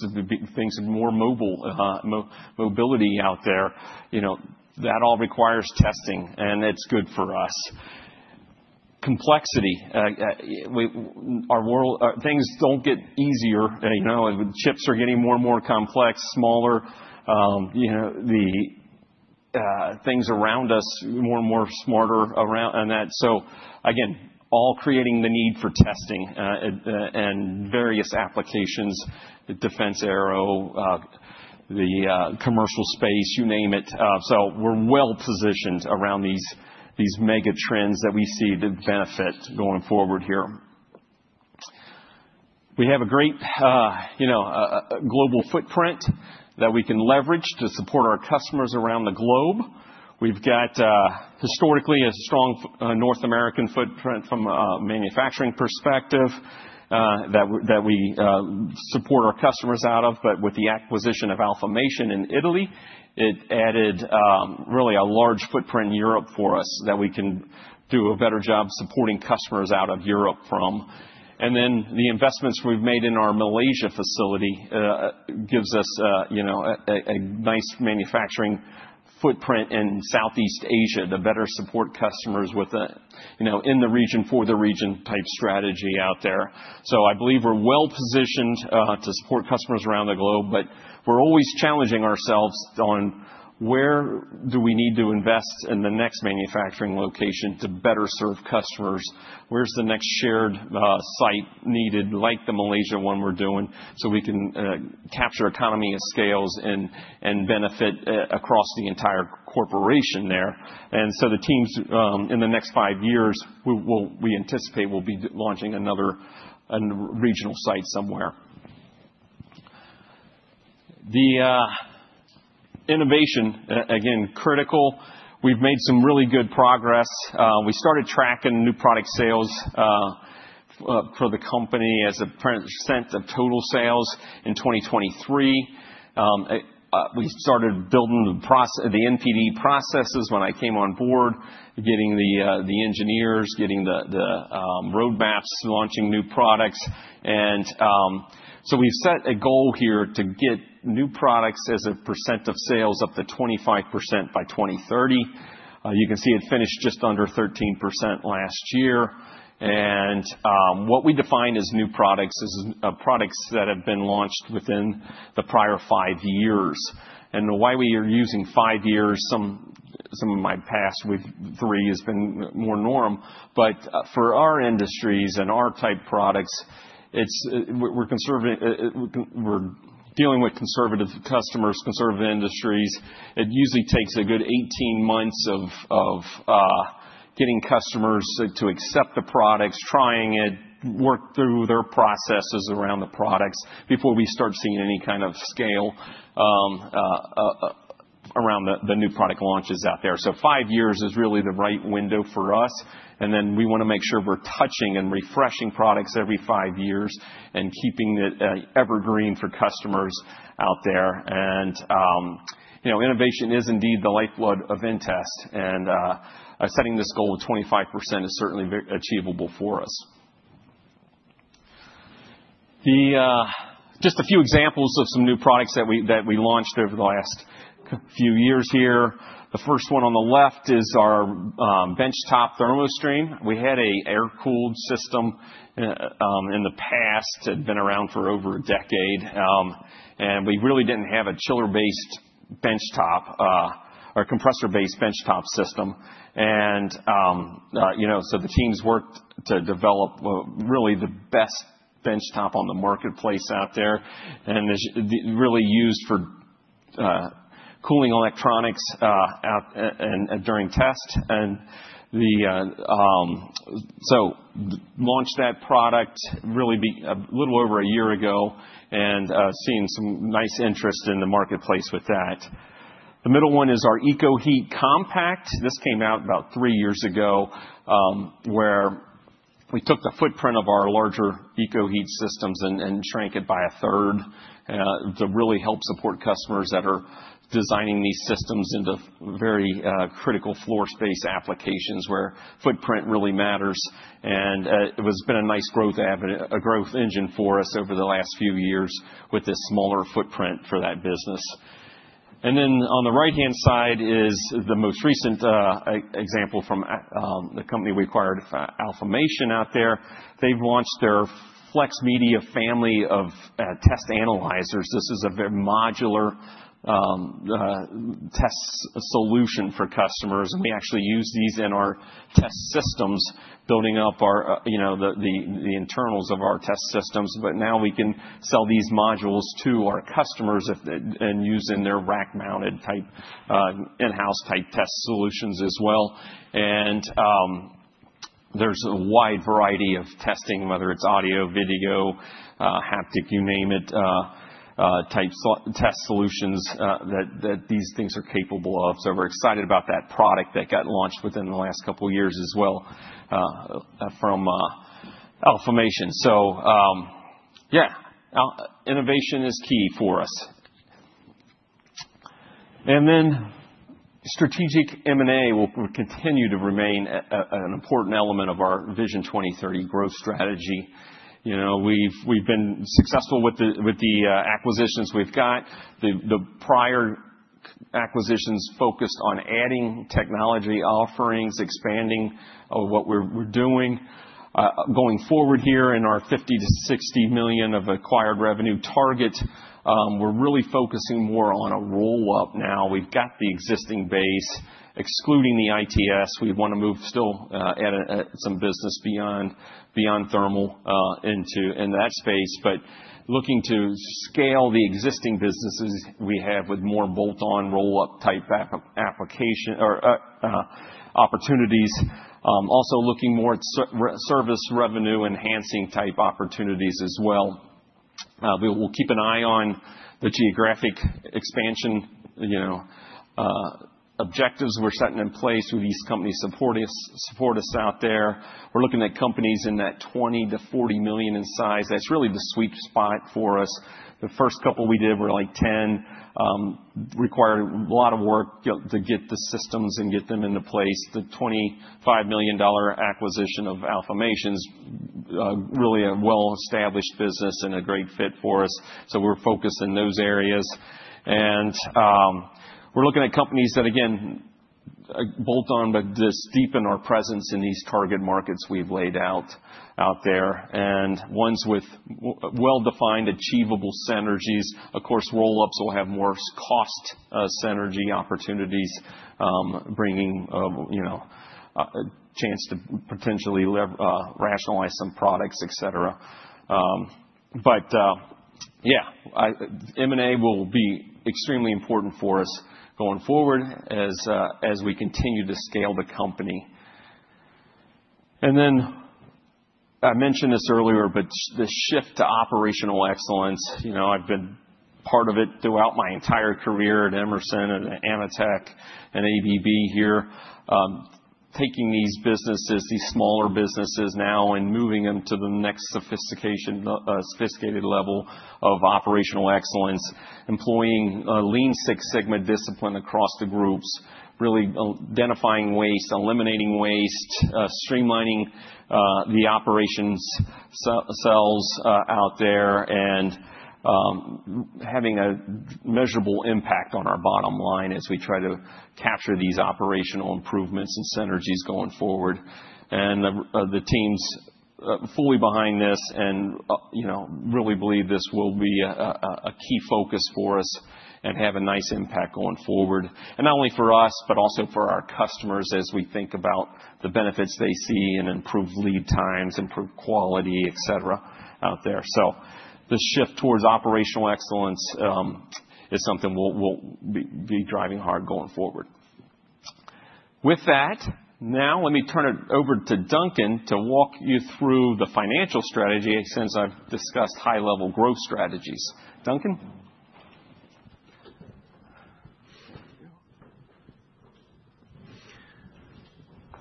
things of more mobility out there. That all requires testing, and it is good for us. Complexity. Things do not get easier. Chips are getting more and more complex, smaller. The things around us, more and more smarter around that. Again, all creating the need for testing and various applications, defense/aerospace, the commercial space, you name it. We are well positioned around these mega trends that we see the benefit going forward here. We have a great global footprint that we can leverage to support our customers around the globe. We have historically a strong North American footprint from a manufacturing perspective that we support our customers out of. With the acquisition of Alfamation in Italy, it added really a large footprint in Europe for us that we can do a better job supporting customers out of Europe from. The investments we have made in our Malaysia facility give us a nice manufacturing footprint in Southeast Asia to better support customers in the region for the region type strategy out there. I believe we're well positioned to support customers around the globe, but we're always challenging ourselves on where do we need to invest in the next manufacturing location to better serve customers. Where's the next shared site needed, like the Malaysia one we're doing, so we can capture economy of scales and benefit across the entire corporation there? The teams, in the next five years, we anticipate we'll be launching another regional site somewhere. The innovation, again, critical. We've made some really good progress. We started tracking new product sales for the company as a percent of total sales in 2023. We started building the NPD processes when I came on board, getting the engineers, getting the roadmaps, launching new products. We've set a goal here to get new products as a percent of sales up to 25% by 2030. You can see it finished just under 13% last year. What we define as new products is products that have been launched within the prior five years. Why we are using five years, some of my past with three has been more norm. For our industries and our type products, we're dealing with conservative customers, conservative industries. It usually takes a good 18 months of getting customers to accept the products, trying it, work through their processes around the products before we start seeing any kind of scale around the new product launches out there. Five years is really the right window for us. We want to make sure we're touching and refreshing products every five years and keeping it evergreen for customers out there. Innovation is indeed the lifeblood of InTest. Setting this goal of 25% is certainly achievable for us. Just a few examples of some new products that we launched over the last few years here. The first one on the left is our Benchtop ThermoStream. We had an air-cooled system in the past. It had been around for over a decade. We really did not have a chiller-based benchtop or compressor-based benchtop system. The teams worked to develop really the best benchtop on the marketplace out there and really used for cooling electronics during test. We launched that product really a little over a year ago and are seeing some nice interest in the marketplace with that. The middle one is our EKOHEAT Compact. This came out about three years ago where we took the footprint of our larger EKOHEAT systems and shrank it by a third to really help support customers that are designing these systems into very critical floor space applications where footprint really matters. It has been a nice growth engine for us over the last few years with this smaller footprint for that business. On the right-hand side is the most recent example from the company we acquired, Alfamation out there. They've launched their Flexmedia family of test analyzers. This is a very modular test solution for customers. We actually use these in our test systems, building up the internals of our test systems. Now we can sell these modules to our customers and use in their rack-mounted type in-house type test solutions as well. There's a wide variety of testing, whether it's audio, video, haptic, you name it, type test solutions that these things are capable of. We are excited about that product that got launched within the last couple of years as well from Alfamation. Innovation is key for us. Strategic M&A will continue to remain an important element of our VISION 2030 growth strategy. We have been successful with the acquisitions we have got. The prior acquisitions focused on adding technology offerings, expanding what we are doing. Going forward here in our $50 million-$60 million of acquired revenue target, we are really focusing more on a roll-up now. We have got the existing base, excluding the ITS. We want to move still at some business beyond thermal into that space, but looking to scale the existing businesses we have with more bolt-on roll-up type application or opportunities. Also looking more at service revenue enhancing type opportunities as well. We will keep an eye on the geographic expansion objectives we're setting in place with these companies supporting us out there. We're looking at companies in that $20 million-$40 million in size. That's really the sweet spot for us. The first couple we did were like $10 million, required a lot of work to get the systems and get them into place. The $25 million acquisition of Alfamation is really a well-established business and a great fit for us. We are focused in those areas. We are looking at companies that, again, bolt on, but this deepen our presence in these target markets we've laid out there. Ones with well-defined achievable synergies. Of course, roll-ups will have more cost synergy opportunities, bringing a chance to potentially rationalize some products, etc. M&A will be extremely important for us going forward as we continue to scale the company. I mentioned this earlier, but the shift to operational excellence. I've been part of it throughout my entire career at Emerson and AMETEK and ABB here, taking these businesses, these smaller businesses now and moving them to the next sophisticated level of operational excellence, employing a Lean Six Sigma Discipline across the groups, really identifying waste, eliminating waste, streamlining the operations cells out there, and having a measurable impact on our bottom line as we try to capture these operational improvements and synergies going forward. The team's fully behind this and really believe this will be a key focus for us and have a nice impact going forward. Not only for us, but also for our customers as we think about the benefits they see and improve lead times, improve quality, etc. out there. The shift towards operational excellence is something we will be driving hard going forward. With that, now let me turn it over to Duncan to walk you through the financial strategy since I have discussed high-level growth strategies. Duncan.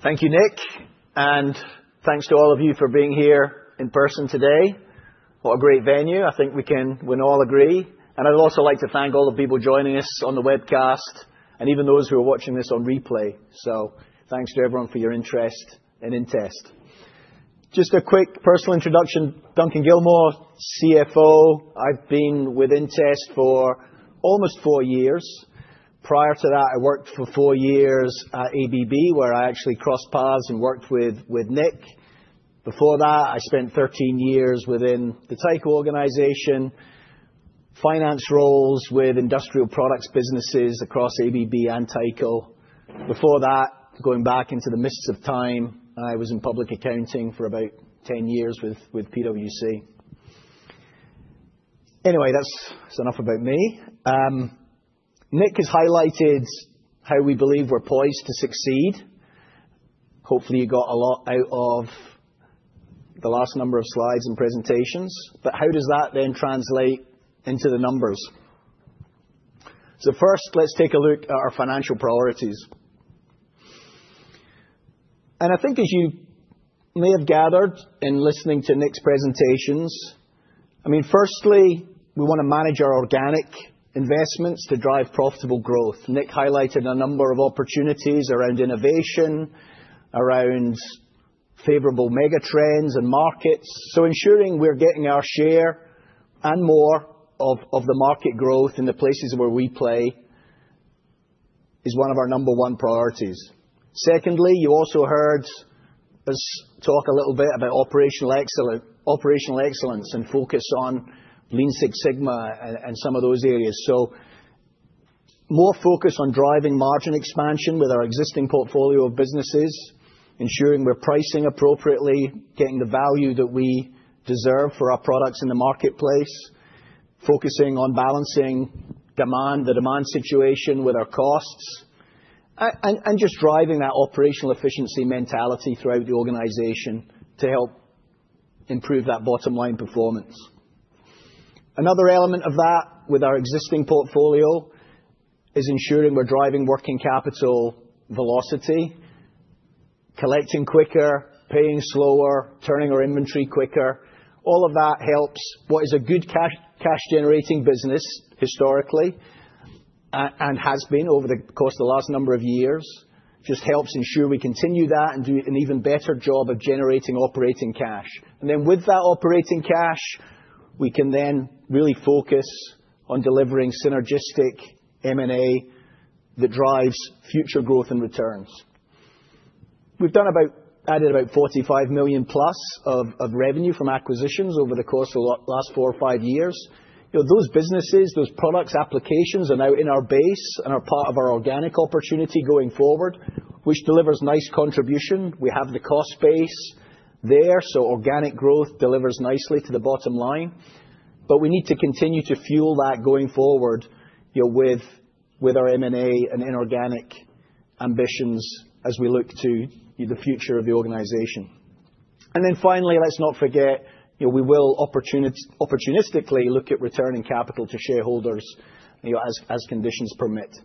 Thank you, Nick. Thanks to all of you for being here in person today. What a great venue. I think we can all agree. I'd also like to thank all the people joining us on the webcast and even those who are watching this on replay. Thanks to everyone for your interest in InTest. Just a quick personal introduction. Duncan Gilmour, CFO. I've been with InTest for almost four years. Prior to that, I worked for four years at ABB where I actually crossed paths and worked with Nick. Before that, I spent 13 years within the Tyco organization, finance roles with industrial products businesses across ABB and Tyco. Before that, going back into the mists of time, I was in public accounting for about 10 years with PwC. Anyway, that's enough about me. Nick has highlighted how we believe we're poised to succeed. Hopefully, you got a lot out of the last number of slides and presentations. How does that then translate into the numbers? First, let's take a look at our financial priorities. I think as you may have gathered in listening to Nick's presentations, I mean, firstly, we want to manage our organic investments to drive profitable growth. Nick highlighted a number of opportunities around innovation, around favorable mega trends and markets. Ensuring we're getting our share and more of the market growth in the places where we play is one of our number one priorities. Secondly, you also heard us talk a little bit about operational excellence and focus on lean six sigma and some of those areas. More focus on driving margin expansion with our existing portfolio of businesses, ensuring we're pricing appropriately, getting the value that we deserve for our products in the marketplace, focusing on balancing demand, the demand situation with our costs, and just driving that operational efficiency mentality throughout the organization to help improve that bottom line performance. Another element of that with our existing portfolio is ensuring we're driving working capital velocity, collecting quicker, paying slower, turning our inventory quicker. All of that helps what is a good cash-generating business historically and has been over the course of the last number of years. Just helps ensure we continue that and do an even better job of generating operating cash. With that operating cash, we can then really focus on delivering synergistic M&A that drives future growth and returns. We've added about $45 million plus of revenue from acquisitions over the course of the last four or five years. Those businesses, those products, applications are now in our base and are part of our organic opportunity going forward, which delivers nice contribution. We have the cost base there. Organic growth delivers nicely to the bottom line. We need to continue to fuel that going forward with our M&A and inorganic ambitions as we look to the future of the organization. Finally, let's not forget we will opportunistically look at returning capital to shareholders as conditions permit.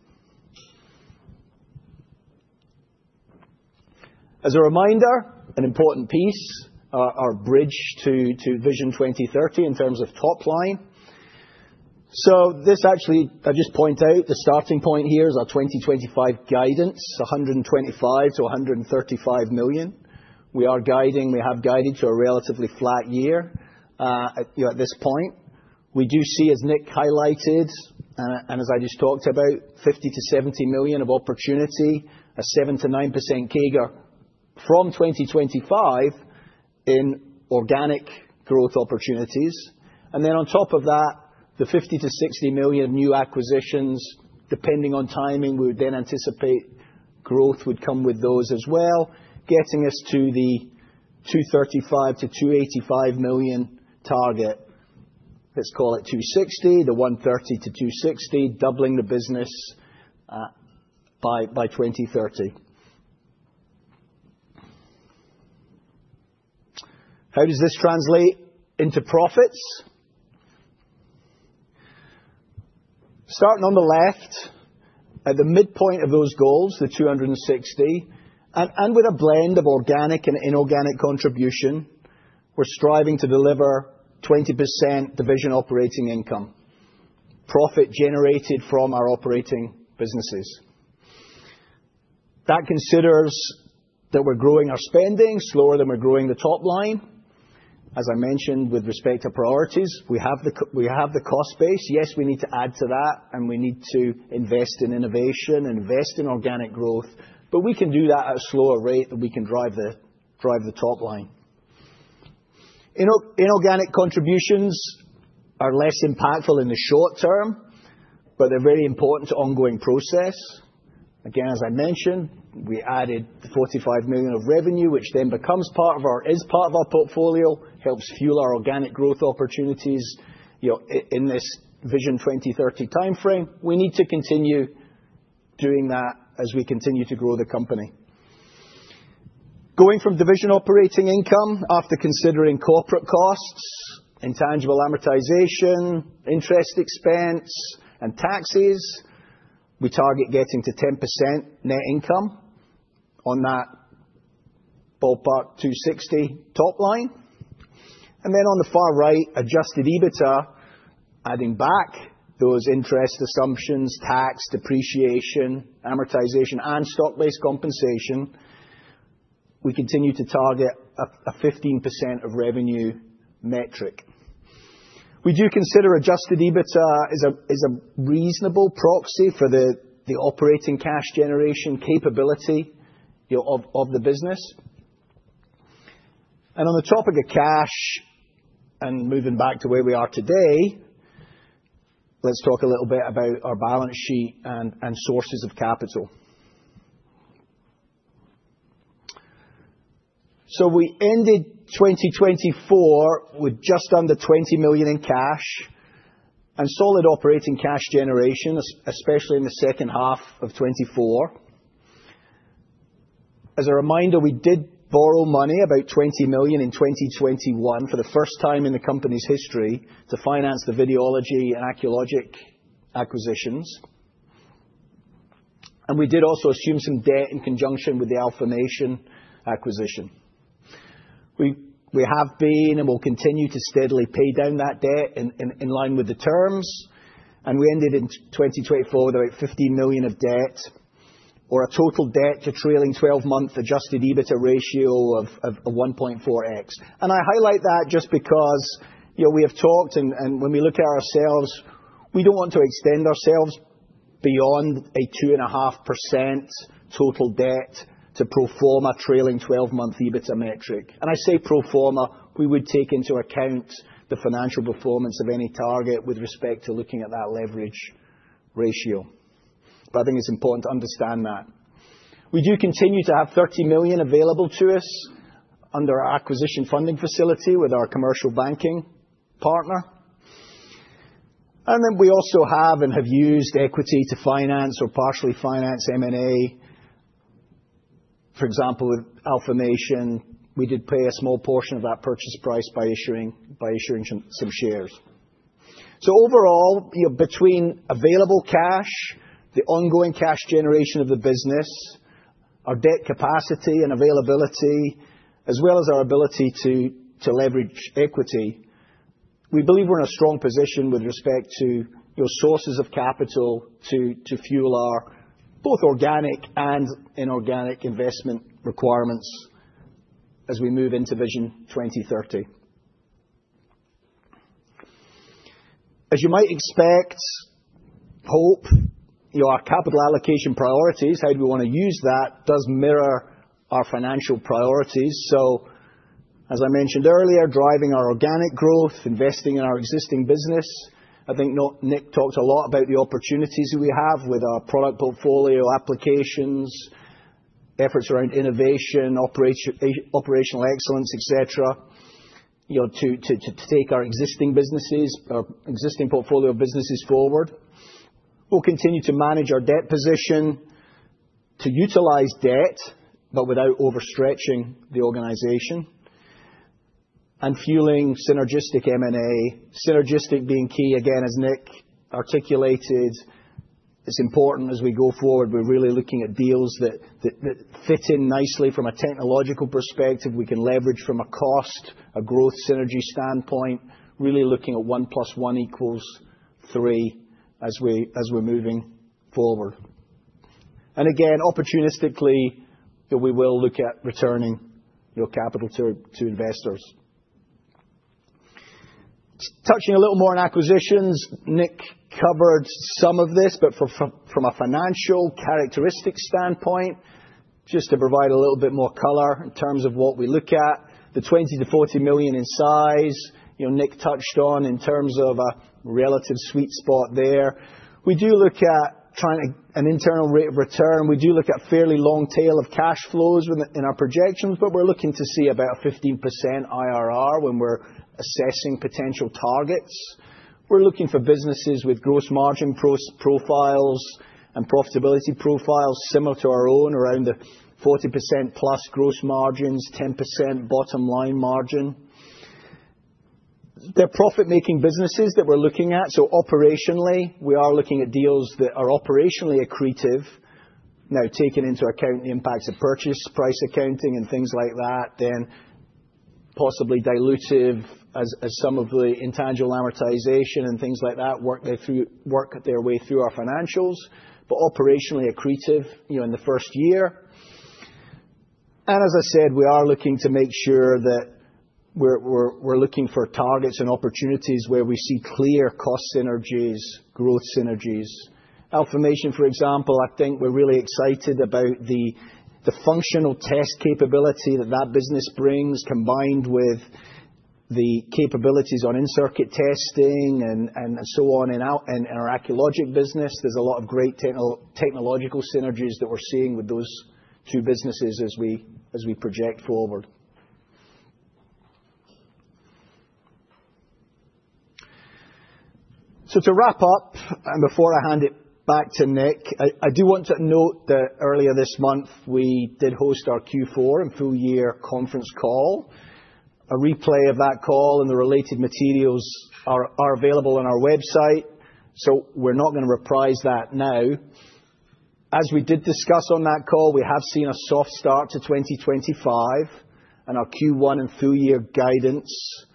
As a reminder, an important piece, our bridge to VISION 2030 in terms of top line. This actually, I just point out the starting point here is our 2025 guidance, $125 million-$135 million. We are guiding, we have guided to a relatively flat year at this point. We do see, as Nick highlighted, and as I just talked about, $50 million-$70 million of opportunity, a 7%-9% CAGR from 2025 in organic growth opportunities. On top of that, the $50 million-$60 million new acquisitions, depending on timing, we would then anticipate growth would come with those as well, getting us to the $235 million-$285 million target. Let's call it $260 million, the $130 million to $260 million, doubling the business by 2030. How does this translate into profits? Starting on the left, at the midpoint of those goals, the $260 million, and with a blend of organic and inorganic contribution, we're striving to deliver 20% division operating income, profit generated from our operating businesses. That considers that we're growing our spending slower than we're growing the top line. As I mentioned, with respect to priorities, we have the cost base. Yes, we need to add to that, and we need to invest in innovation and invest in organic growth. We can do that at a slower rate than we can drive the top line. Inorganic contributions are less impactful in the short term, but they're very important to ongoing process. Again, as I mentioned, we added the $45 million of revenue, which then becomes part of our, is part of our portfolio, helps fuel our organic growth opportunities in this VISION 2030 timeframe. We need to continue doing that as we continue to grow the company. Going from division operating income after considering corporate costs, intangible amortization, interest expense, and taxes, we target getting to 10% net income on that ballpark $260 million top line. On the far right, adjusted EBITDA, adding back those interest assumptions, tax, depreciation, amortization, and stock-based compensation, we continue to target a 15% of revenue metric. We do consider adjusted EBITDA is a reasonable proxy for the operating cash generation capability of the business. On the topic of cash and moving back to where we are today, let's talk a little bit about our balance sheet and sources of capital. We ended 2024 with just under $20 million in cash and solid operating cash generation, especially in the second half of 2024. As a reminder, we did borrow money, about $20 million in 2021 for the first time in the company's history to finance the Videology and Acculogic acquisitions. We did also assume some debt in conjunction with the Alfamation acquisition. We have been and will continue to steadily pay down that debt in line with the terms. We ended in 2024 with about $15 million of debt or a total debt to trailing 12-month adjusted EBITDA ratio of 1.4x. I highlight that just because we have talked, and when we look at ourselves, we do not want to extend ourselves beyond a 2.5% total debt to pro forma trailing 12-month EBITDA metric. I say pro forma, we would take into account the financial performance of any target with respect to looking at that leverage ratio. I think it is important to understand that. We do continue to have $30 million available to us under our acquisition funding facility with our commercial banking partner. We also have and have used equity to finance or partially finance M&A. For example, with Alfamation, we did pay a small portion of that purchase price by issuing some shares. Overall, between available cash, the ongoing cash generation of the business, our debt capacity and availability, as well as our ability to leverage equity, we believe we're in a strong position with respect to sources of capital to fuel our both organic and inorganic investment requirements as we move into VISION 2030. As you might expect, hope, our capital allocation priorities, how do we want to use that, does mirror our financial priorities. As I mentioned earlier, driving our organic growth, investing in our existing business. I think Nick talked a lot about the opportunities that we have with our product portfolio, applications, efforts around innovation, operational excellence, etc., to take our existing businesses, our existing portfolio of businesses forward. We'll continue to manage our debt position to utilize debt, but without overstretching the organization and fueling synergistic M&A. Synergistic being key, again, as Nick articulated, is important as we go forward. We're really looking at deals that fit in nicely from a technological perspective. We can leverage from a cost, a growth synergy standpoint, really looking at one plus one equals three as we're moving forward. Again, opportunistically, we will look at returning capital to investors. Touching a little more on acquisitions, Nick covered some of this, but from a financial characteristic standpoint, just to provide a little bit more color in terms of what we look at, the $20 million-$40 million in size, Nick touched on in terms of a relative sweet spot there. We do look at trying an internal rate of return. We do look at fairly long tail of cash flows in our projections, but we're looking to see about a 15% IRR when we're assessing potential targets. We're looking for businesses with gross margin profiles and profitability profiles similar to our own around the 40%+ gross margins, 10% bottom line margin. They're profit-making businesses that we're looking at. Operationally, we are looking at deals that are operationally accretive, now taking into account the impacts of purchase price accounting and things like that, then possibly dilutive as some of the intangible amortization and things like that work their way through our financials, but operationally accretive in the first year. As I said, we are looking to make sure that we're looking for targets and opportunities where we see clear cost synergies, growth synergies. Alfamation, for example, I think we're really excited about the functional test capability that that business brings combined with the capabilities on in-circuit testing and so on in our Acculogic business. There's a lot of great technological synergies that we're seeing with those two businesses as we project forward. To wrap up, and before I hand it back to Nick, I do want to note that earlier this month, we did host our Q4 and full-year conference call. A replay of that call and the related materials are available on our website. We're not going to reprise that now. As we did discuss on that call, we have seen a soft start to 2025 and our Q1 and full-year guidance,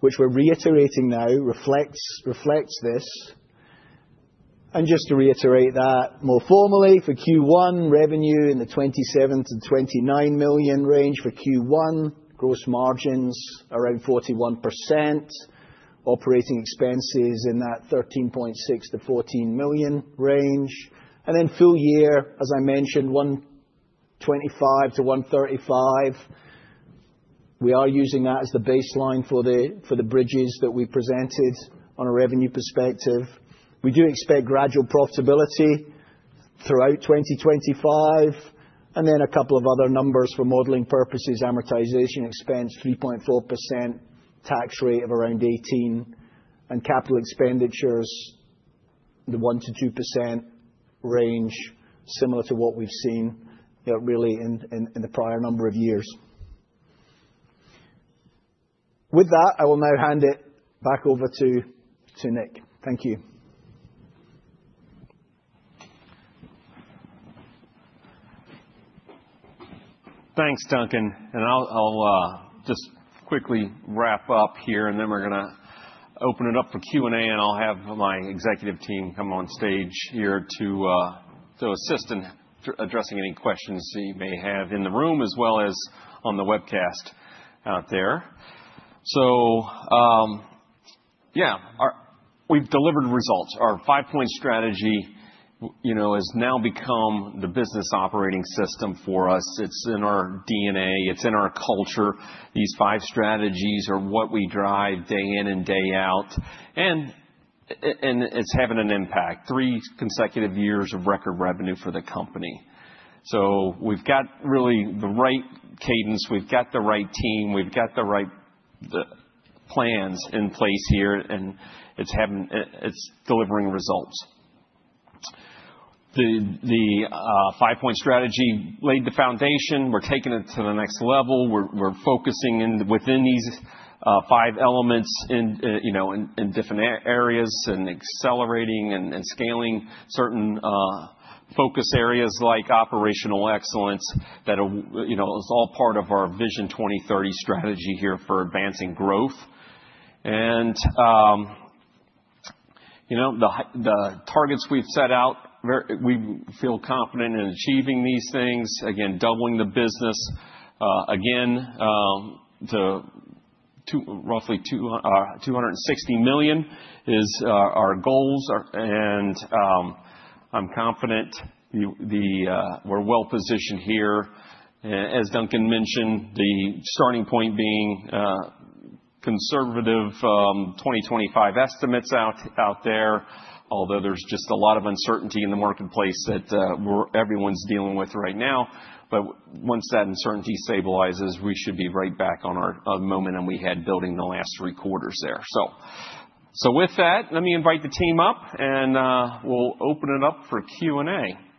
which we're reiterating now, reflects this. Just to reiterate that more formally, for Q1, revenue in the $27 million-$29 million range for Q1, gross margins around 41%, operating expenses in that $13.6 million-$14 million range. For the full year, as I mentioned, $125 million-$135 million. We are using that as the baseline for the bridges that we presented on a revenue perspective. We do expect gradual profitability throughout 2025. A couple of other numbers for modeling purposes: amortization expense, 3.4%; tax rate of around 18%; and capital expenditures, the 1%-2% range, similar to what we've seen really in the prior number of years. With that, I will now hand it back over to Nick. Thank you. Thanks, Duncan. I'll just quickly wrap up here, and then we're going to open it up for Q&A. I'll have my executive team come on stage here to assist in addressing any questions that you may have in the room as well as on the webcast out there. Yeah, we've delivered results. Our 5-Point Strategy has now become the business operating system for us. It's in our DNA. It's in our culture. These five strategies are what we drive day in and day out, and it's having an impact. Three consecutive years of record revenue for the company. We've got really the right cadence. We've got the right team. We've got the right plans in place here, and it's delivering results. The 5-Point Strategy laid the foundation. We're taking it to the next level. We're focusing within these five elements in different areas and accelerating and scaling certain focus areas like operational excellence. That is all part of our VISION 2030 strategy here for advancing growth. The targets we've set out, we feel confident in achieving these things. Again, doubling the business, again, to roughly $260 million is our goals. I'm confident we're well positioned here. As Duncan mentioned, the starting point being conservative 2025 estimates out there, although there's just a lot of uncertainty in the marketplace that everyone's dealing with right now. Once that uncertainty stabilizes, we should be right back on our momentum we had building the last three quarters there. With that, let me invite the team up, and we'll open it up for Q&A.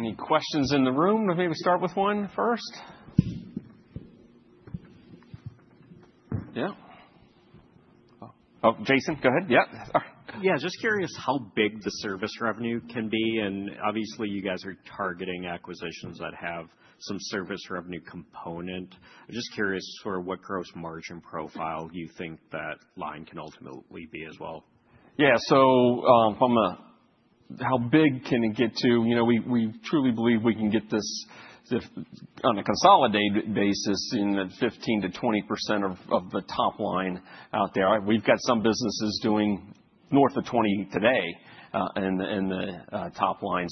Any questions in the room? Maybe start with one first? Yeah. Oh, Jason, go ahead. Yep. Yeah, just curious how big the service revenue can be. Obviously, you guys are targeting acquisitions that have some service revenue component. I'm just curious sort of what gross margin profile you think that line can ultimately be as well. Yeah, so from how big can it get to? We truly believe we can get this on a consolidated basis in the 15%-20% of the top line out there. We've got some businesses doing north of 20 today in the top line.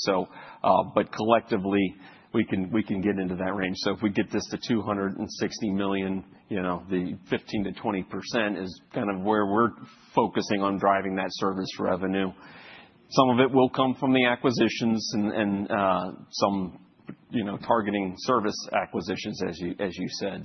But collectively, we can get into that range. If we get this to $260 million, the 15%-20% is kind of where we're focusing on driving that service revenue. Some of it will come from the acquisitions and some targeting service acquisitions, as you said.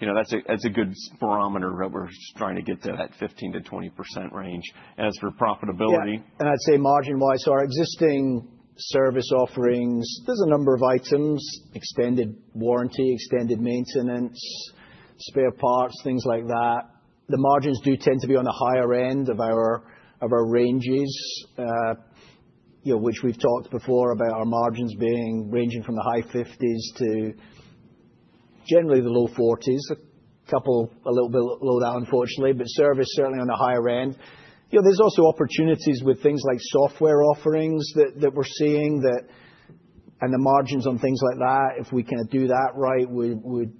That's a good barometer that we're trying to get to that 15%-20% range. As for profitability. I'd say margin-wise, our existing service offerings, there's a number of items: extended warranty, extended maintenance, spare parts, things like that. The margins do tend to be on the higher end of our ranges, which we've talked before about our margins ranging from the high 50s to generally the low 40s. A little bit low that, unfortunately, but service certainly on the higher end. There's also opportunities with things like software offerings that we're seeing and the margins on things like that. If we can do that right, we would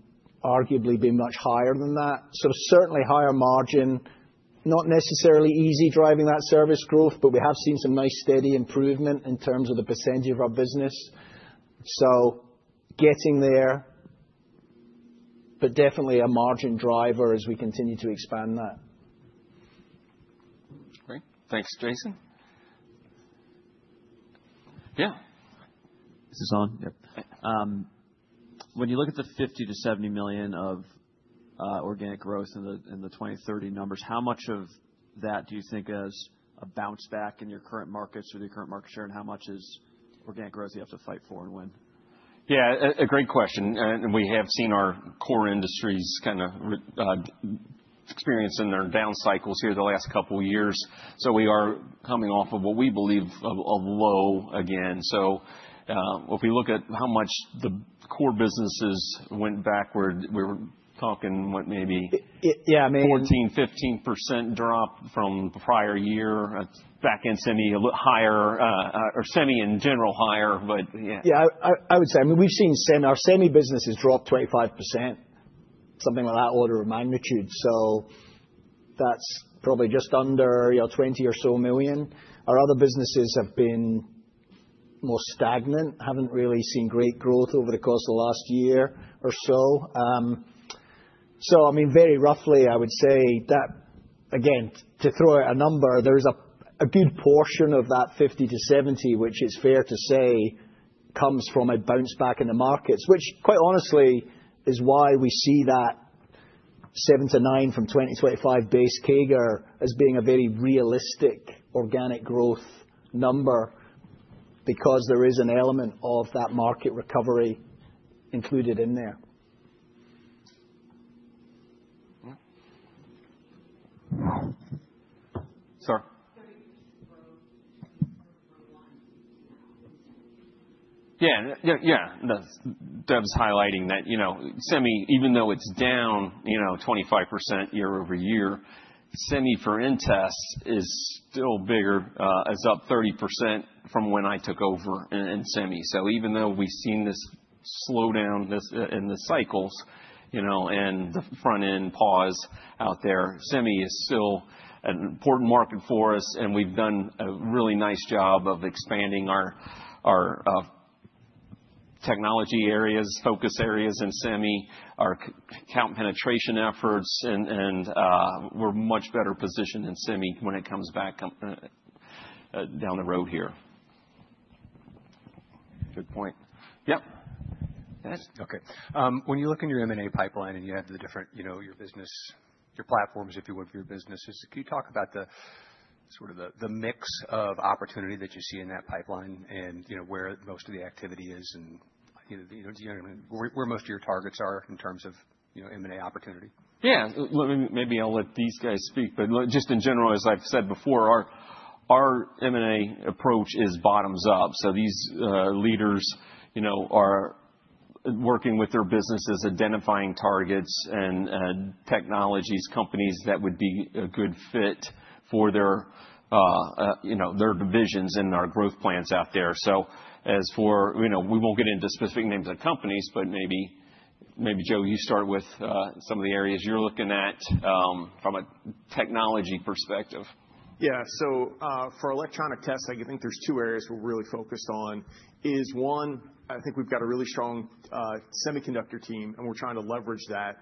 arguably be much higher than that. Certainly higher margin, not necessarily easy driving that service growth, but we have seen some nice steady improvement in terms of the percentage of our business. Getting there, but definitely a margin driver as we continue to expand that. Great. Thanks, Jason. Yeah. This is on. Yeah. When you look at the $50 million-$70 million of organic growth in the 2030 numbers, how much of that do you think is a bounce back in your current markets or the current market share, and how much is organic growth you have to fight for and win? Yeah, great question. We have seen our core industries kind of experience their down cycles here the last couple of years. We are coming off of what we believe is a low again. If we look at how much the core businesses went backward, we were talking maybe 14%-15% drop from the prior year. That is back in semi, a little higher, or semi in general higher, but yeah. Yeah, I would say, I mean, we've seen our semi businesses drop 25%, something like that order of magnitude. That's probably just under $20 million or so. Our other businesses have been more stagnant, haven't really seen great growth over the course of the last year or so. I mean, very roughly, I would say that, again, to throw out a number, there's a good portion of that $50 million-$70 million, which is fair to say, comes from a bounce back in the markets, which quite honestly is why we see that 7%-9% from 2025 base CAGR as being a very realistic organic growth number because there is an element of that market recovery included in there. Sorry. Yeah, yeah, Deb's highlighting that semi, even though it's down 25% year-over-year, semi for InTest is still bigger, is up 30% from when I took over in semi. Even though we've seen this slowdown in the cycles and the front-end pause out there, semi is still an important market for us. We've done a really nice job of expanding our technology areas, focus areas in semi, our account penetration efforts, and we're much better positioned in semi when it comes back down the road here. Good point. Yep. Yes. Okay. When you look in your M&A pipeline and you have your business, your platforms, if you would, for your businesses, can you talk about sort of the mix of opportunity that you see in that pipeline and where most of the activity is and where most of your targets are in terms of M&A opportunity? Yeah, maybe I'll let these guys speak. But just in general, as I've said before, our M&A approach is bottoms up. So these leaders are working with their businesses, identifying targets and technologies, companies that would be a good fit for their divisions and our growth plans out there. So as for, we won't get into specific names of companies, but maybe, maybe Joe, you start with some of the areas you're looking at from a technology perspective. Yeah, so for Electronic Tests, I think there's two areas we're really focused on. One, I think we've got a really strong semiconductor team, and we're trying to leverage that.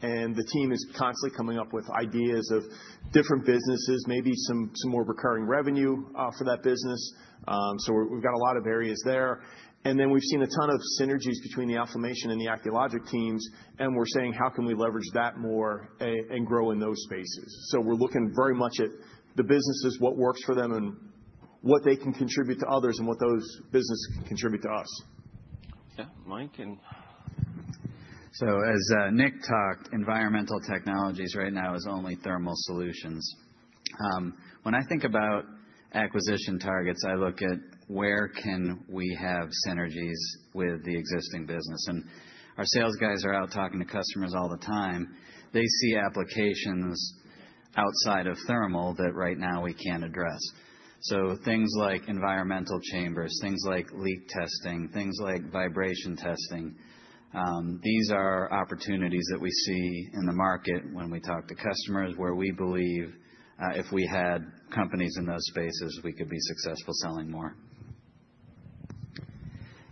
The team is constantly coming up with ideas of different businesses, maybe some more recurring revenue for that business. We've got a lot of areas there. We've seen a ton of synergies between the Alfamation and the Acculogic teams, and we're saying, how can we leverage that more and grow in those spaces? We're looking very much at the businesses, what works for them and what they can contribute to others and what those businesses can contribute to us. Yeah, Mike. As Nick talked, environmental technologies right now is only thermal solutions. When I think about acquisition targets, I look at where can we have synergies with the existing business. Our sales guys are out talking to customers all the time. They see applications outside of thermal that right now we can't address. Things like environmental chambers, things like leak testing, things like vibration testing, these are opportunities that we see in the market when we talk to customers where we believe if we had companies in those spaces, we could be successful selling more.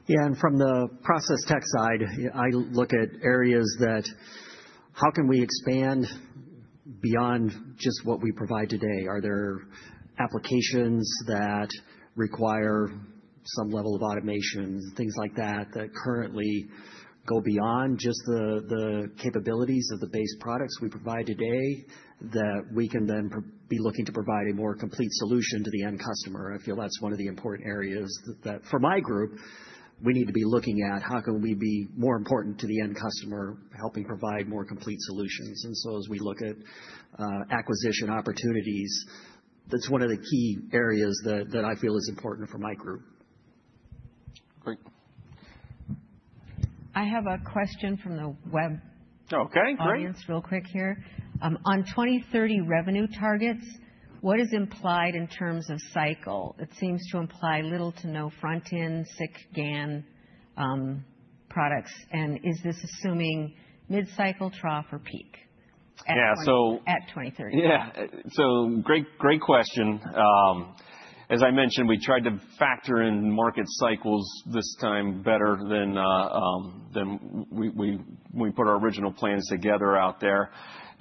Yeah, and from the process tech side, I look at areas that how can we expand beyond just what we provide today? Are there applications that require some level of automation, things like that, that currently go beyond just the capabilities of the base products we provide today that we can then be looking to provide a more complete solution to the end customer? I feel that's one of the important areas that for my group, we need to be looking at how can we be more important to the end customer, helping provide more complete solutions. As we look at acquisition opportunities, that's one of the key areas that I feel is important for my group. Great. I have a question from the web. Okay, great. Audience, real quick here. On 2030 revenue targets, what is implied in terms of cycle? It seems to imply little to no front-end, SiC-GaN products. And is this assuming mid-cycle trough or peak at 2030? Yeah, great question. As I mentioned, we tried to factor in market cycles this time better than when we put our original plans together out there.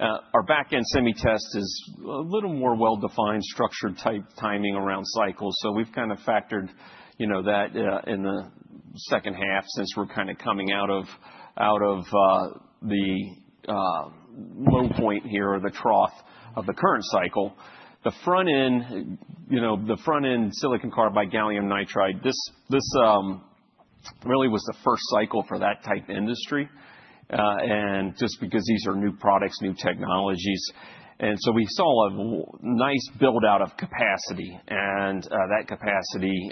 Our back-end semi test is a little more well-defined, structured type timing around cycles. We have kind of factored that in the second half since we are coming out of the low point here or the trough of the current cycle. The front-end silicon carbide gallium nitride, this really was the first cycle for that type industry just because these are new products, new technologies. We saw a nice build-out of capacity. That capacity,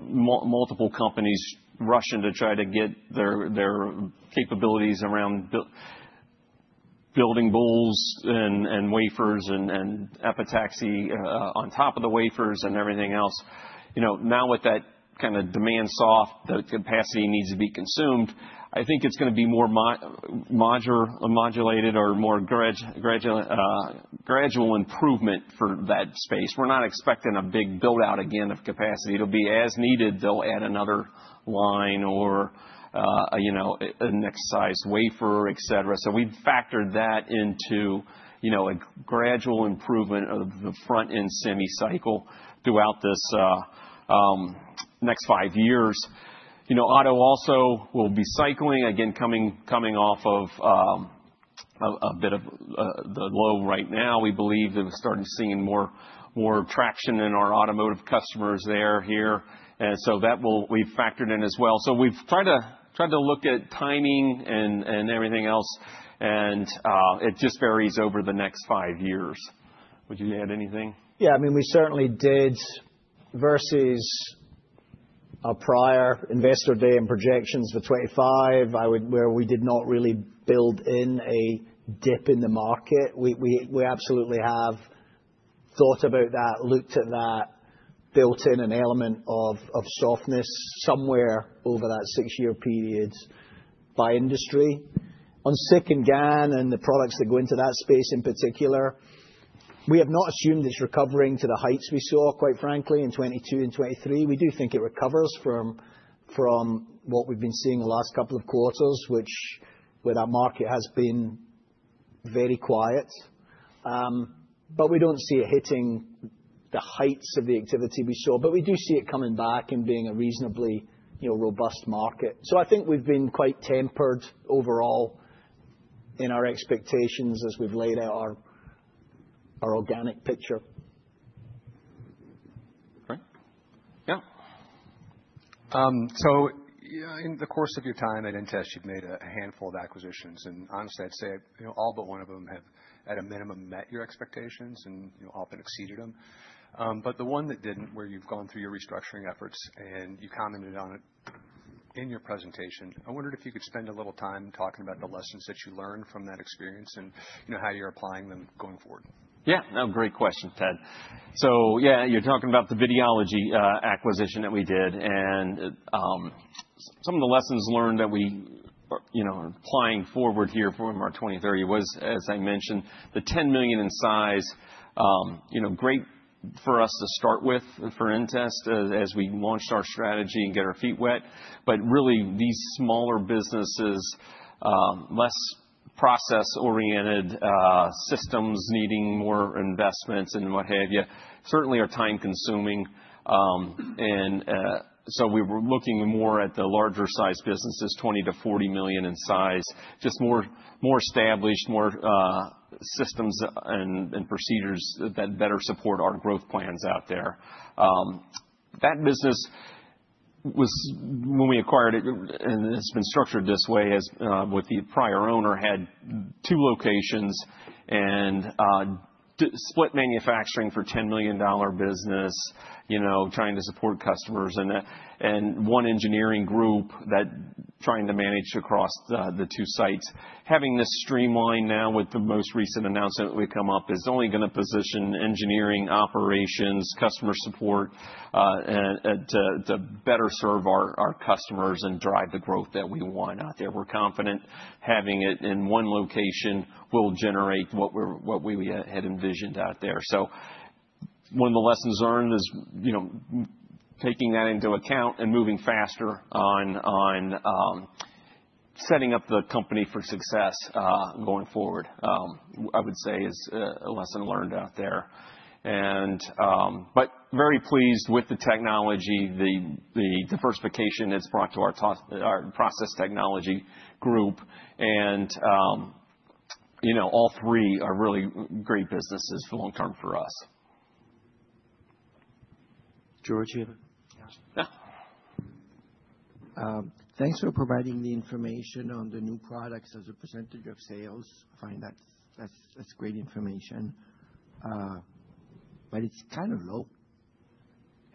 multiple companies rushing to try to get their capabilities around building bowls and wafers and epitaxy on top of the wafers and everything else. Now with that kind of demand soft, the capacity needs to be consumed. I think it's going to be more modulated or more gradual improvement for that space. We're not expecting a big build-out again of capacity. It'll be as needed. They'll add another line or an exercise wafer, etc. We've factored that into a gradual improvement of the front-end semi cycle throughout this next five years. Auto also will be cycling, again, coming off of a bit of the low right now. We believe that we're starting to see more traction in our automotive customers there here. That we've factored in as well. We've tried to look at timing and everything else. It just varies over the next five years. Would you add anything? Yeah, I mean, we certainly did versus a prior investor day and projections for 2025, where we did not really build in a dip in the market. We absolutely have thought about that, looked at that, built in an element of softness somewhere over that six-year period by industry. On SiC and GaN and the products that go into that space in particular, we have not assumed it's recovering to the heights we saw, quite frankly, in 2022 and 2023. We do think it recovers from what we've been seeing the last couple of quarters, which where that market has been very quiet. We do not see it hitting the heights of the activity we saw. We do see it coming back and being a reasonably robust market. I think we've been quite tempered overall in our expectations as we've laid out our organic picture. Great. Yeah. In the course of your time at InTest, you've made a handful of acquisitions. Honestly, I'd say all but one of them have, at a minimum, met your expectations and often exceeded them. The one that didn't, where you've gone through your restructuring efforts and you commented on it in your presentation, I wondered if you could spend a little time talking about the lessons that you learned from that experience and how you're applying them going forward. Yeah, no, great question, Ted. Yeah, you're talking about the Videology acquisition that we did. Some of the lessons learned that we are applying forward here from our 2030 was, as I mentioned, the $10 million in size, great for us to start with for InTest as we launched our strategy and get our feet wet. Really, these smaller businesses, less process-oriented systems needing more investments and what have you, certainly are time-consuming. We were looking more at the larger-sized businesses, $20 million-$40 million in size, just more established, more systems and procedures that better support our growth plans out there. That business, when we acquired it, and it's been structured this way with the prior owner, had two locations and split manufacturing for a $10 million business, trying to support customers and one engineering group that's trying to manage across the two sites. Having this streamlined now with the most recent announcement that we come up is only going to position engineering operations, customer support to better serve our customers and drive the growth that we want out there. We're confident having it in one location will generate what we had envisioned out there. One of the lessons learned is taking that into account and moving faster on setting up the company for success going forward, I would say, is a lesson learned out there. Very pleased with the technology, the diversification that's brought to our process technology group. All three are really great businesses for long-term for us. George, you have a question. Thanks for providing the information on the new products as a percentage of sales. I find that's great information. It is kind of low.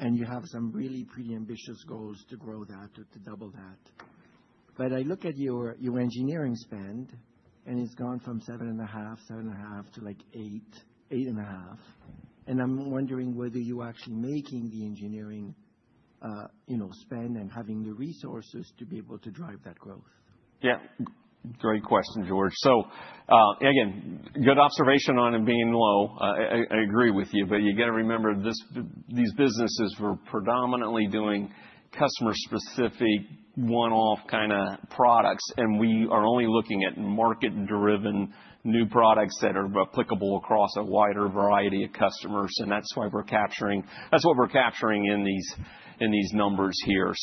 You have some really pretty ambitious goals to grow that, to double that. I look at your engineering spend, and it's gone from 7.5, 7.5 to 8, 8.5. I'm wondering whether you're actually making the engineering spend and having the resources to be able to drive that growth. Yeah, great question, George. Again, good observation on it being low. I agree with you. You got to remember these businesses were predominantly doing customer-specific one-off kind of products. We are only looking at market-driven new products that are applicable across a wider variety of customers. That is what we are capturing in these numbers here.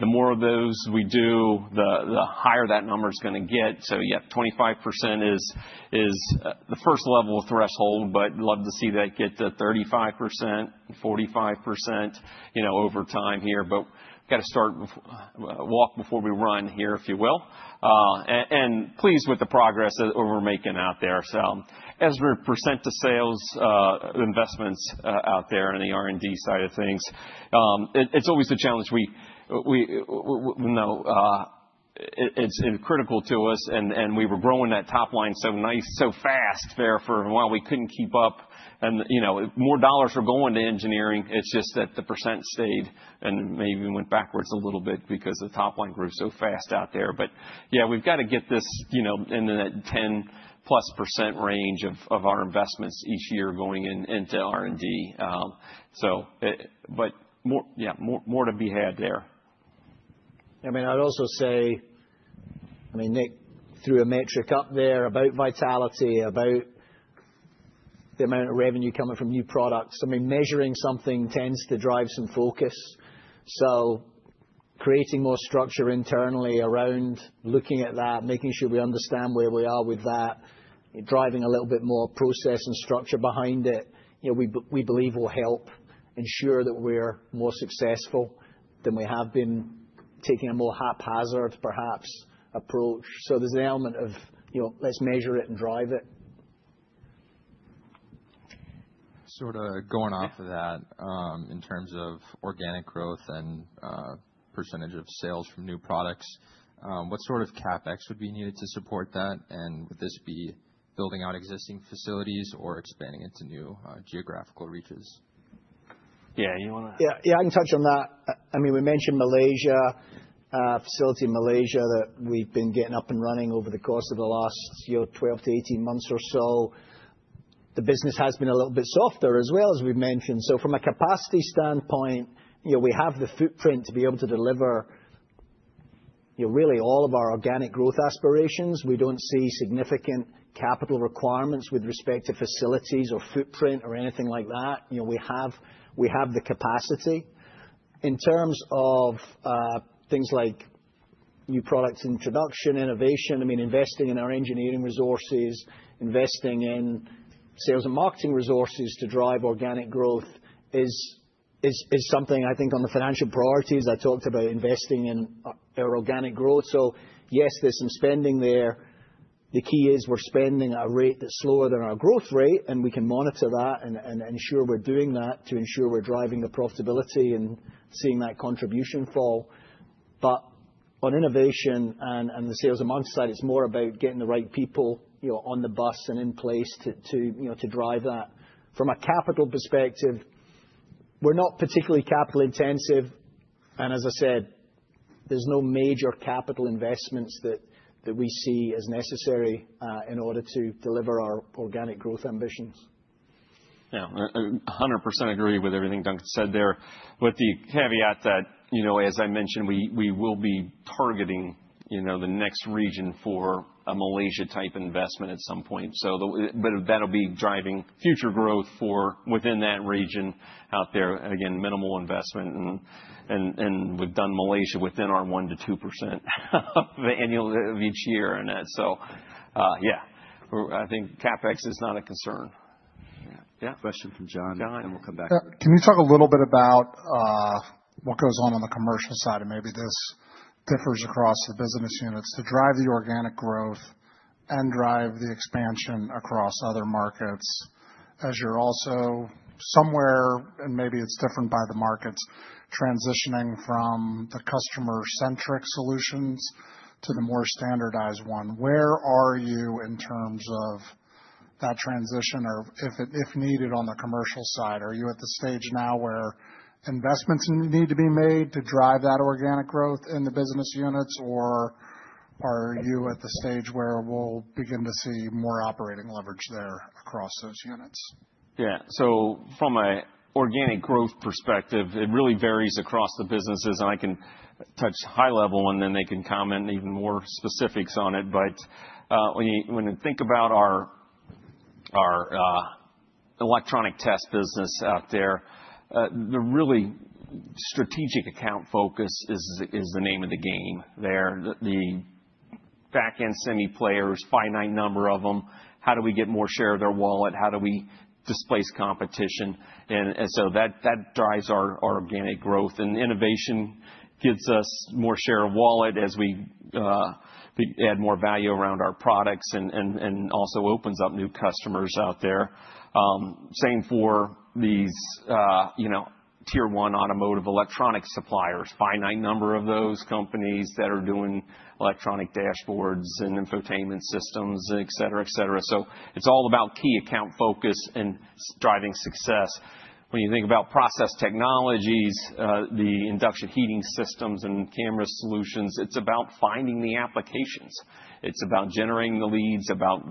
The more of those we do, the higher that number is going to get. Yeah, 25% is the first level of threshold, but love to see that get to 35%, 45% over time here. We have got to start walk before we run here, if you will. Pleased with the progress that we are making out there. As we present to sales investments out there in the R&D side of things, it is always a challenge. We know it is critical to us. We were growing that top line so fast there for a while we could not keep up. More dollars are going to engineering. It is just that the percent stayed and maybe went backwards a little bit because the top line grew so fast out there. Yeah, we have to get this in that 10%+ range of our investments each year going into R&D. Yeah, more to be had there. I mean, I'd also say, I mean, Nick threw a metric up there about vitality, about the amount of revenue coming from new products. I mean, measuring something tends to drive some focus. Creating more structure internally around looking at that, making sure we understand where we are with that, driving a little bit more process and structure behind it, we believe will help ensure that we're more successful than we have been taking a more haphazard, perhaps, approach. There is an element of let's measure it and drive it. Sort of going off of that in terms of organic growth and percentage of sales from new products, what sort of CapEx would be needed to support that? Would this be building out existing facilities or expanding into new geographical reaches? Yeah, you want to. Yeah, I can touch on that. I mean, we mentioned Malaysia, facility in Malaysia that we've been getting up and running over the course of the last 12 to 18 months or so. The business has been a little bit softer as well, as we've mentioned. From a capacity standpoint, we have the footprint to be able to deliver really all of our organic growth aspirations. We do not see significant capital requirements with respect to facilities or footprint or anything like that. We have the capacity. In terms of things like new products introduction, innovation, I mean, investing in our engineering resources, investing in sales and marketing resources to drive organic growth is something I think on the financial priorities I talked about investing in organic growth. Yes, there is some spending there. The key is we are spending at a rate that is slower than our growth rate. We can monitor that and ensure we're doing that to ensure we're driving the profitability and seeing that contribution fall. On innovation and the sales amount side, it's more about getting the right people on the bus and in place to drive that. From a capital perspective, we're not particularly capital intensive. As I said, there's no major capital investments that we see as necessary in order to deliver our organic growth ambitions. Yeah, 100% agree with everything Duncan said there. With the caveat that, as I mentioned, we will be targeting the next region for a Malaysia-type investment at some point. That will be driving future growth for within that region out there. Again, minimal investment. We have done Malaysia within our 1%-2% of each year on that. Yeah, I think CapEx is not a concern. Yeah. Question from John. John. We'll come back to that. Can you talk a little bit about what goes on on the commercial side? Maybe this differs across the business units to drive the organic growth and drive the expansion across other markets as you're also somewhere, and maybe it's different by the markets, transitioning from the customer-centric solutions to the more standardized one. Where are you in terms of that transition? If needed on the commercial side, are you at the stage now where investments need to be made to drive that organic growth in the business units? Are you at the stage where we'll begin to see more operating leverage there across those units? Yeah. From an organic growth perspective, it really varies across the businesses. I can touch high level, and then they can comment even more specifics on it. When you think about our electronic test business out there, the really strategic account focus is the name of the game there. The back-end semi-players, finite number of them. How do we get more share of their wallet? How do we displace competition? That drives our organic growth. Innovation gives us more share of wallet as we add more value around our products and also opens up new customers out there. Same for these tier one automotive electronic suppliers, finite number of those companies that are doing electronic dashboards and infotainment systems, etc., etc. It is all about key account focus and driving success. When you think about process technologies, the induction heating systems and camera solutions, it's about finding the applications. It's about generating the leads, about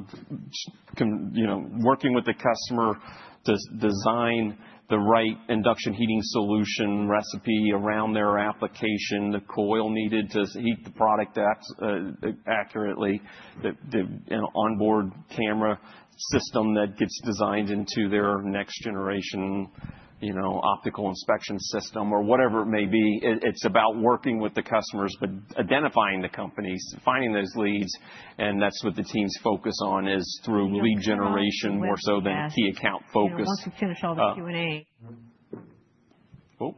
working with the customer to design the right induction heating solution recipe around their application, the coil needed to heat the product accurately, the onboard camera system that gets designed into their next-generation optical inspection system, or whatever it may be. It's about working with the customers, but identifying the companies, finding those leads. That's what the team's focus on is through lead generation more so than key account focus. I want to finish all the Q&A. Oh,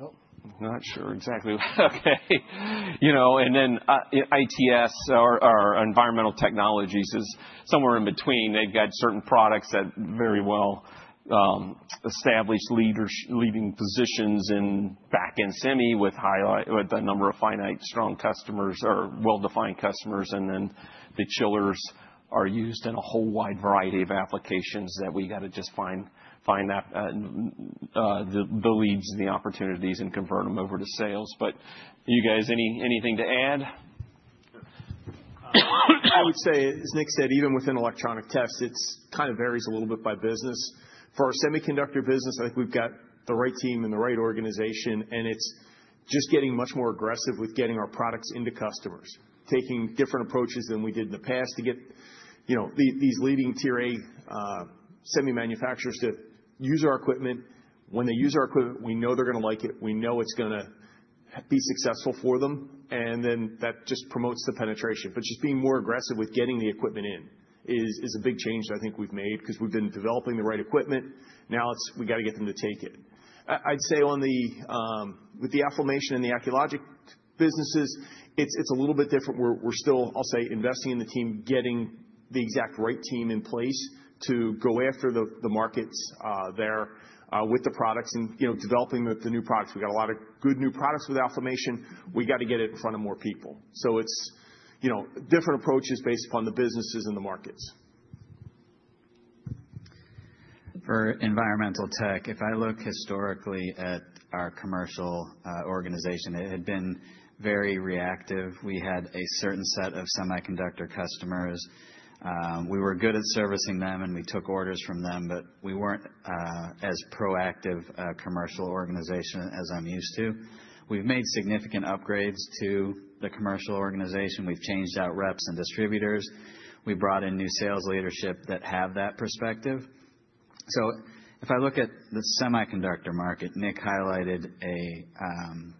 not sure exactly. Okay. ITS, our Environmental Technologies, is somewhere in between. They've got certain products that have very well established leading positions in back-end semi with a number of finite strong customers or well-defined customers. The chillers are used in a whole wide variety of applications that we got to just find the leads and the opportunities and convert them over to sales. You guys, anything to add? I would say, as Nick said, even within Electronic Tests, it kind of varies a little bit by business. For our semiconductor business, I think we've got the right team and the right organization. It's just getting much more aggressive with getting our products into customers, taking different approaches than we did in the past to get these leading tier A semi manufacturers to use our equipment. When they use our equipment, we know they're going to like it. We know it's going to be successful for them. That just promotes the penetration. Just being more aggressive with getting the equipment in is a big change that I think we've made because we've been developing the right equipment. Now we got to get them to take it. I'd say with the Alfamation and the Acculogic businesses, it's a little bit different. We're still, I'll say, investing in the team, getting the exact right team in place to go after the markets there with the products and developing the new products. We got a lot of good new products with Alfamation. We got to get it in front of more people. It's different approaches based upon the businesses and the markets. For Environmental Tech, if I look historically at our commercial organization, it had been very reactive. We had a certain set of semiconductor customers. We were good at servicing them, and we took orders from them. We were not as proactive a commercial organization as I'm used to. We've made significant upgrades to the commercial organization. We've changed out reps and distributors. We brought in new sales leadership that have that perspective. If I look at the semiconductor market, Nick highlighted an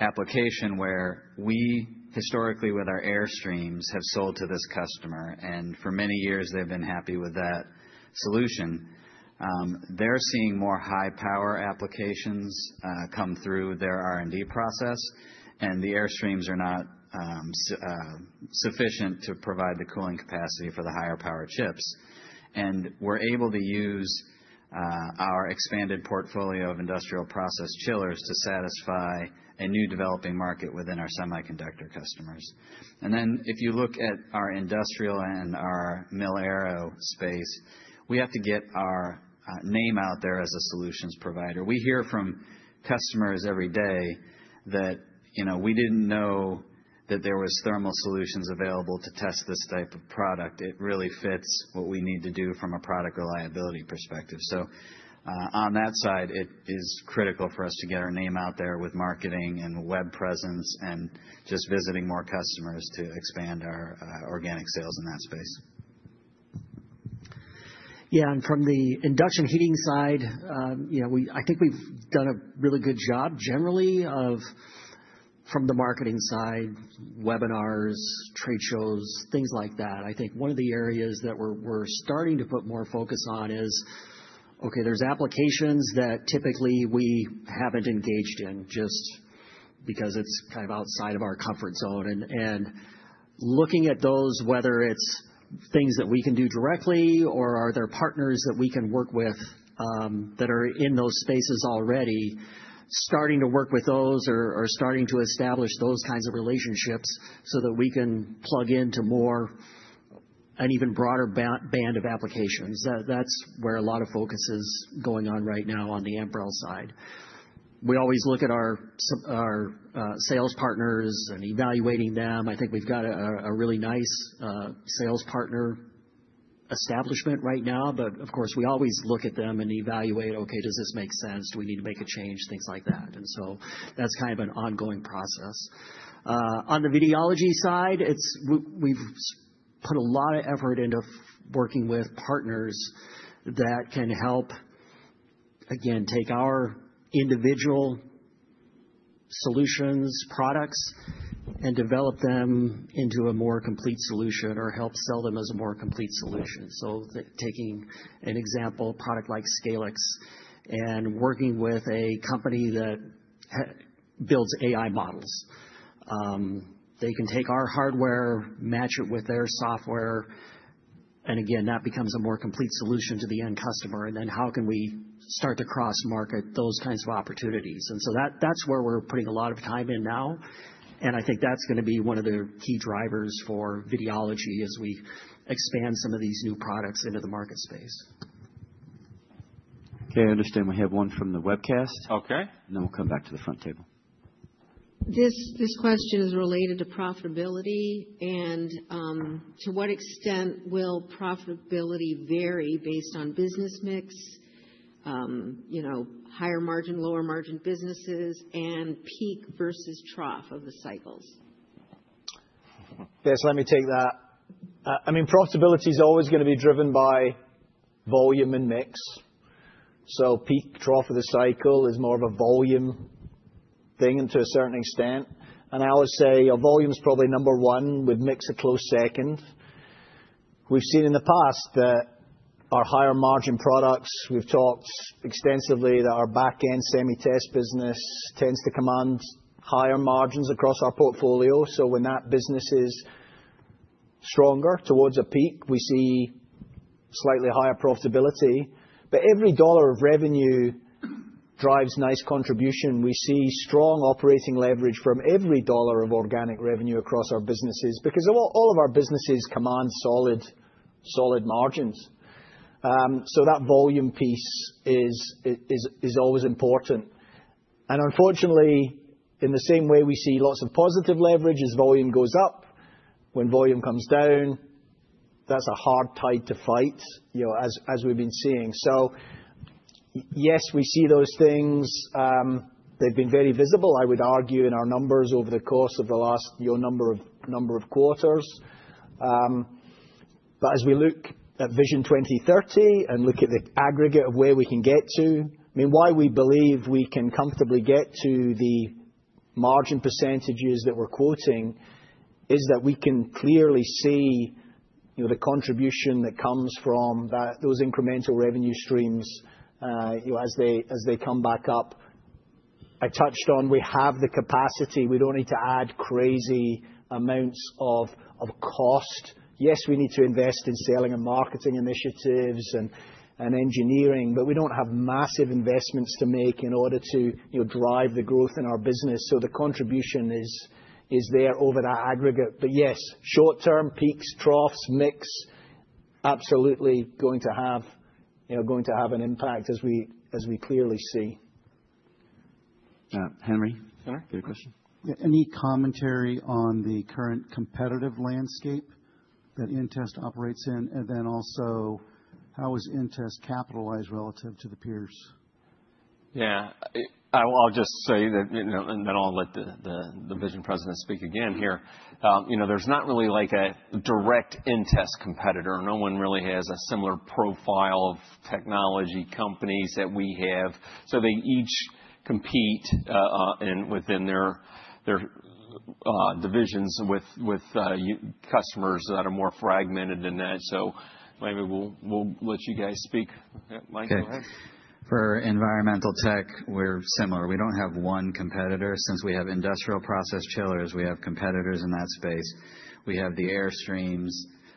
application where we historically, with our Airstreams, have sold to this customer. For many years, they've been happy with that solution. They're seeing more high-power applications come through their R&D process. The Airstreams are not sufficient to provide the cooling capacity for the higher-power chips. We are able to use our expanded portfolio of industrial process chillers to satisfy a new developing market within our semiconductor customers. If you look at our industrial and our defense/aerospace space, we have to get our name out there as a solutions provider. We hear from customers every day that they did not know that there were thermal solutions available to test this type of product. It really fits what we need to do from a product reliability perspective. On that side, it is critical for us to get our name out there with marketing and web presence and just visiting more customers to expand our organic sales in that space. Yeah. From the induction heating side, I think we've done a really good job generally from the marketing side, webinars, trade shows, things like that. I think one of the areas that we're starting to put more focus on is, okay, there's applications that typically we haven't engaged in just because it's kind of outside of our comfort zone. Looking at those, whether it's things that we can do directly or are there partners that we can work with that are in those spaces already, starting to work with those or starting to establish those kinds of relationships so that we can plug into an even broader band of applications. That's where a lot of focus is going on right now on the Ambrell side. We always look at our sales partners and evaluating them. I think we've got a really nice sales partner establishment right now. Of course, we always look at them and evaluate, okay, does this make sense? Do we need to make a change? Things like that. That is kind of an ongoing process. On the Videology side, we have put a lot of effort into working with partners that can help, again, take our individual solutions, products, and develop them into a more complete solution or help sell them as a more complete solution. Taking an example, a product like SCAiLX and working with a company that builds AI models. They can take our hardware, match it with their software. Again, that becomes a more complete solution to the end customer. How can we start to cross-market those kinds of opportunities? That is where we are putting a lot of time in now. I think that's going to be one of the key drivers for Videology as we expand some of these new products into the market space. Okay. I understand we have one from the webcast. And then we'll come back to the front table. This question is related to profitability. To what extent will profitability vary based on business mix, higher margin, lower margin businesses, and peak versus trough of the cycles? Yes, let me take that. I mean, profitability is always going to be driven by volume and mix. Peak, trough of the cycle is more of a volume thing to a certain extent. I would say volume is probably number one with mix a close second. We've seen in the past that our higher margin products, we've talked extensively that our back-end semi test business tends to command higher margins across our portfolio. When that business is stronger towards a peak, we see slightly higher profitability. Every dollar of revenue drives nice contribution. We see strong operating leverage from every dollar of organic revenue across our businesses because all of our businesses command solid margins. That volume piece is always important. Unfortunately, in the same way we see lots of positive leverage as volume goes up, when volume comes down, that's a hard tide to fight as we've been seeing. Yes, we see those things. They've been very visible, I would argue, in our numbers over the course of the last number of quarters. As we look at VISION 2030 and look at the aggregate of where we can get to, I mean, why we believe we can comfortably get to the margin percentages that we're quoting is that we can clearly see the contribution that comes from those incremental revenue streams as they come back up. I touched on we have the capacity. We don't need to add crazy amounts of cost. Yes, we need to invest in selling and marketing initiatives and engineering, but we do not have massive investments to make in order to drive the growth in our business. The contribution is there over that aggregate. Yes, short-term peaks, troughs, mix absolutely going to have an impact as we clearly see. Henry. Sir? Good question. Any commentary on the current competitive landscape that InTest operates in? Also, how is InTest capitalized relative to the peers? Yeah. I'll just say that, and then I'll let the division president speak again here. There's not really a direct InTest competitor. No one really has a similar profile of technology companies that we have. They each compete within their divisions with customers that are more fragmented than that. Maybe we'll let you guys speak. Mike, go ahead. For Environmental Tech, we're similar. We don't have one competitor. Since we have industrial process chillers, we have competitors in that space. We have the Airstreams.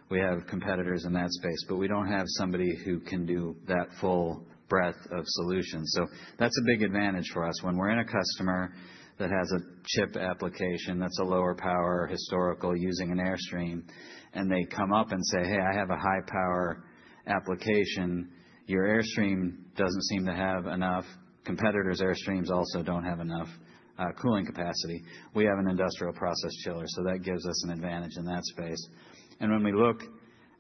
We have competitors in that space. We don't have somebody who can do that full breadth of solutions. That's a big advantage for us. When we're in a customer that has a chip application that's a lower power historical using an Airstream, and they come up and say, "Hey, I have a high power application. Your Airstream doesn't seem to have enough competitors. Airstreams also don't have enough cooling capacity." We have an industrial process chiller. That gives us an advantage in that space. When we look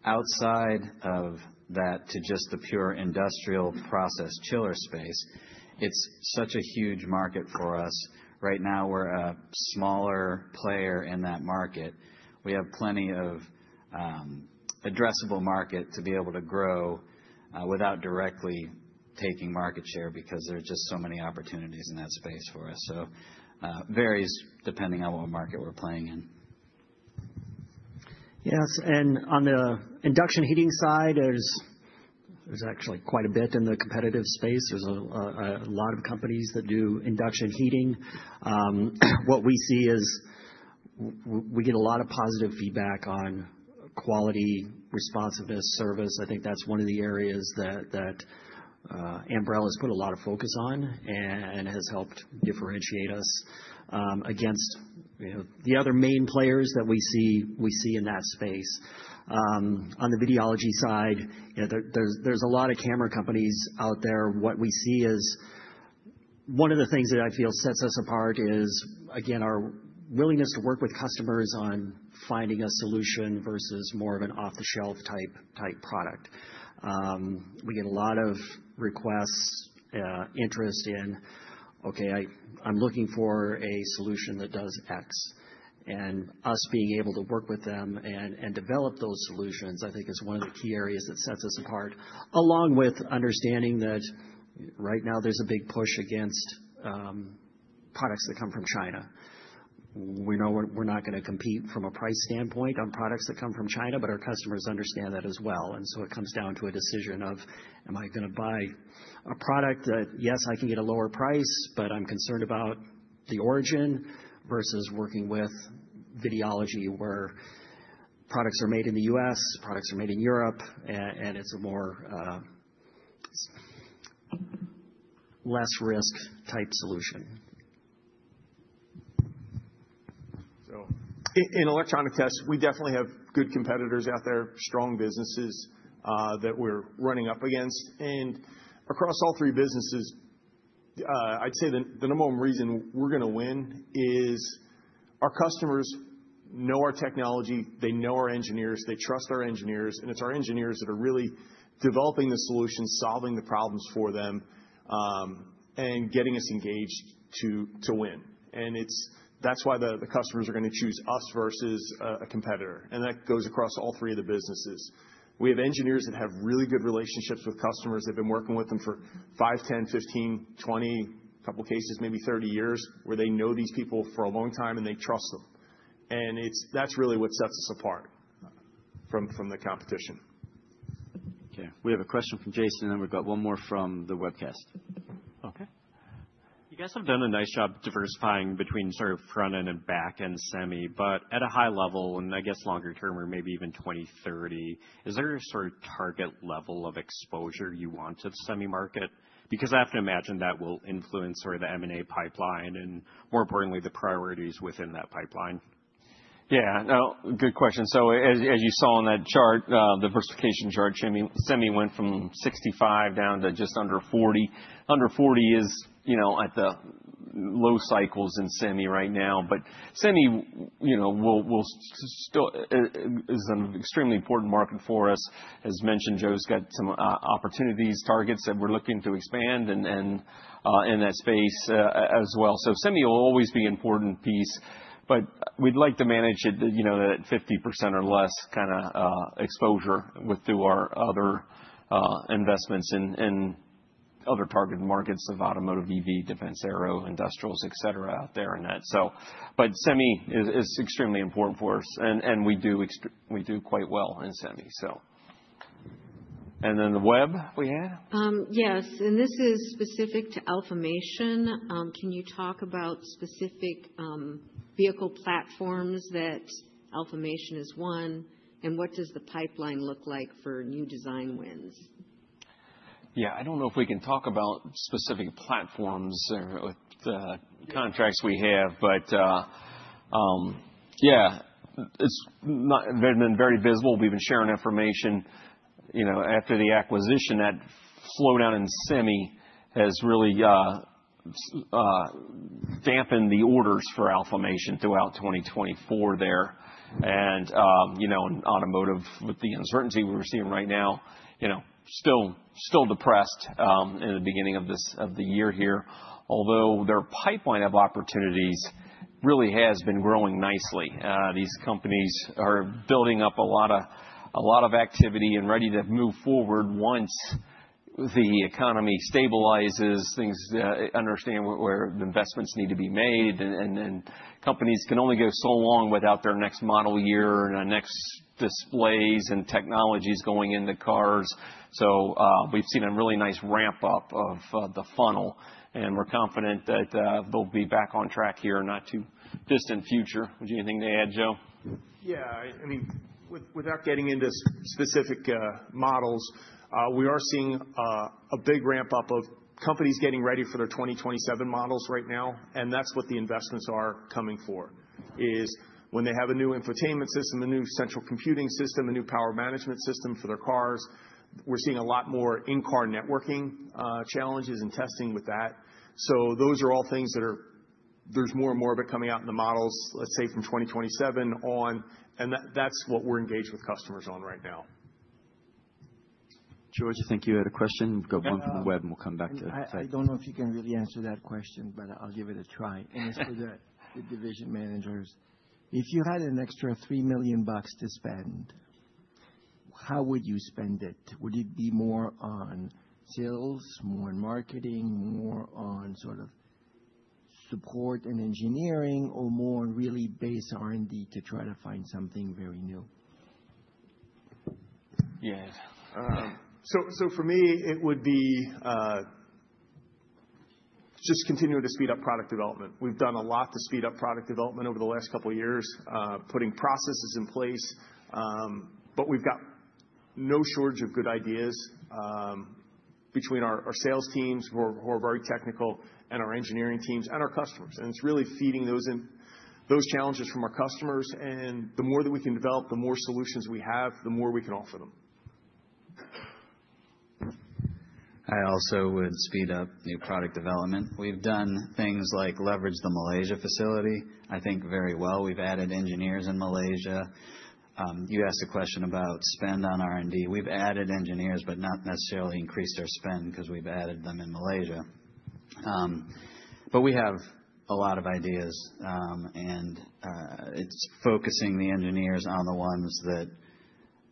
outside of that to just the pure industrial process chiller space, it's such a huge market for us. Right now, we're a smaller player in that market. We have plenty of addressable market to be able to grow without directly taking market share because there are just so many opportunities in that space for us. It varies depending on what market we're playing in. Yes. On the induction heating side, there's actually quite a bit in the competitive space. There are a lot of companies that do induction heating. What we see is we get a lot of positive feedback on quality, responsiveness, service. I think that's one of the areas that Ambrell has put a lot of focus on and has helped differentiate us against the other main players that we see in that space. On the Videology side, there are a lot of camera companies out there. What we see is one of the things that I feel sets us apart is, again, our willingness to work with customers on finding a solution versus more of an off-the-shelf type product. We get a lot of requests, interest in, "Okay, I'm looking for a solution that does X." Us being able to work with them and develop those solutions, I think, is one of the key areas that sets us apart, along with understanding that right now there is a big push against products that come from China. We know we are not going to compete from a price standpoint on products that come from China, but our customers understand that as well. It comes down to a decision of, "Am I going to buy a product that, yes, I can get at a lower price, but I'm concerned about the origin versus working with Videology where products are made in the U.S., products are made in Europe, and it is a less risk type solution? In Electronic Tests, we definitely have good competitors out there, strong businesses that we're running up against. Across all three businesses, I'd say the number one reason we're going to win is our customers know our technology. They know our engineers. They trust our engineers. It's our engineers that are really developing the solutions, solving the problems for them, and getting us engaged to win. That's why the customers are going to choose us versus a competitor. That goes across all three of the businesses. We have engineers that have really good relationships with customers. They've been working with them for 5, 10, 15, 20, a couple of cases, maybe 30 years, where they know these people for a long time and they trust them. That's really what sets us apart from the competition. Okay. We have a question from Jason. And then we've got one more from the webcast. Okay. You guys have done a nice job diversifying between sort of front-end and back-end semi. At a high level, and I guess longer term or maybe even 2030, is there a sort of target level of exposure you want to the semi market? I have to imagine that will influence sort of the M&A pipeline and, more importantly, the priorities within that pipeline. Yeah. Good question. As you saw on that chart, the diversification chart, semi went from 65 down to just under 40. Under 40 is at the low cycles in semi right now. Semi is an extremely important market for us. As mentioned, Joe's got some opportunities, targets that we're looking to expand in that space as well. Semi will always be an important piece. We'd like to manage it at 50% or less kind of exposure through our other investments in other targeted markets of automotive, EV, defense aero, industrials, etc., out there in that. Semi is extremely important for us. We do quite well in semi, so. And then the web, we had? Yes. This is specific to Alfamation. Can you talk about specific vehicle platforms that Alfamation is on? What does the pipeline look like for new design wins? Yeah. I don't know if we can talk about specific platforms or contracts we have. Yeah, they've been very visible. We've been sharing information. After the acquisition, that slowdown in semi has really dampened the orders for Alfamation throughout 2024 there. In automotive, with the uncertainty we're seeing right now, still depressed in the beginning of the year here. Although their pipeline of opportunities really has been growing nicely. These companies are building up a lot of activity and ready to move forward once the economy stabilizes, things understand where the investments need to be made. Companies can only go so long without their next model year and next displays and technologies going into cars. We've seen a really nice ramp-up of the funnel. We're confident that they'll be back on track here in not too distant future. Would you have anything to add, Joe? Yeah. I mean, without getting into specific models, we are seeing a big ramp-up of companies getting ready for their 2027 models right now. That is what the investments are coming for, is when they have a new infotainment system, a new central computing system, a new power management system for their cars. We are seeing a lot more in-car networking challenges and testing with that. Those are all things that there is more and more of it coming out in the models, let's say from 2027 on. That is what we are engaged with customers on right now. George, I think you had a question. We've got one from the web, and we'll come back to it. I don't know if you can really answer that question, but I'll give it a try. It is for the division managers. If you had an extra $3 million to spend, how would you spend it? Would it be more on sales, more on marketing, more on sort of support and engineering, or more really based R&D to try to find something very new? Yeah. For me, it would be just continuing to speed up product development. We have done a lot to speed up product development over the last couple of years, putting processes in place. We have no shortage of good ideas between our sales teams, who are very technical, our engineering teams, and our customers. It is really feeding those challenges from our customers. The more that we can develop, the more solutions we have, the more we can offer them. I also would speed up new product development. We've done things like leverage the Malaysia facility, I think, very well. We've added engineers in Malaysia. You asked a question about spend on R&D. We've added engineers, but not necessarily increased our spend because we've added them in Malaysia. We have a lot of ideas. It's focusing the engineers on the ones that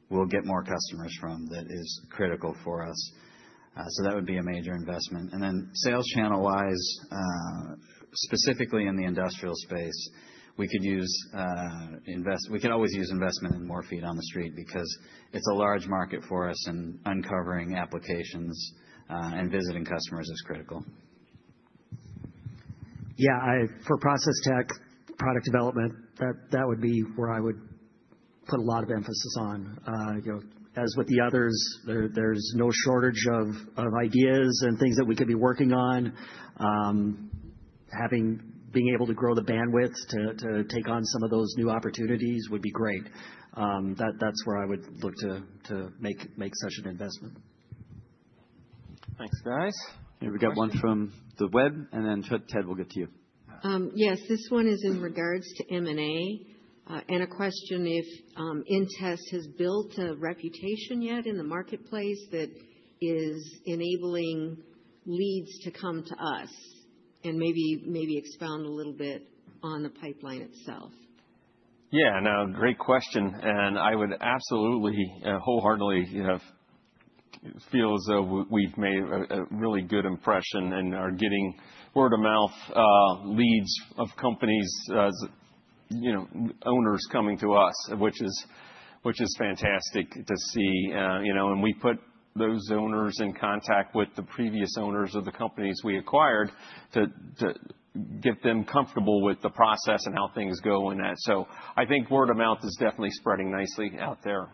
we'll get more customers from that is critical for us. That would be a major investment. Sales channel-wise, specifically in the industrial space, we could always use investment in more feet on the street because it's a large market for us. Uncovering applications and visiting customers is critical. Yeah. For process tech, product development, that would be where I would put a lot of emphasis on. As with the others, there's no shortage of ideas and things that we could be working on. Being able to grow the bandwidth to take on some of those new opportunities would be great. That's where I would look to make such an investment. Thanks, guys. We've got one from the web. And then Ted, we'll get to you. Yes. This one is in regards to M&A and a question if InTest has built a reputation yet in the marketplace that is enabling leads to come to us and maybe expound a little bit on the pipeline itself. Yeah. Great question. I would absolutely wholeheartedly feel as though we've made a really good impression and are getting word-of-mouth leads of companies, owners coming to us, which is fantastic to see. We put those owners in contact with the previous owners of the companies we acquired to get them comfortable with the process and how things go in that. I think word-of-mouth is definitely spreading nicely out there.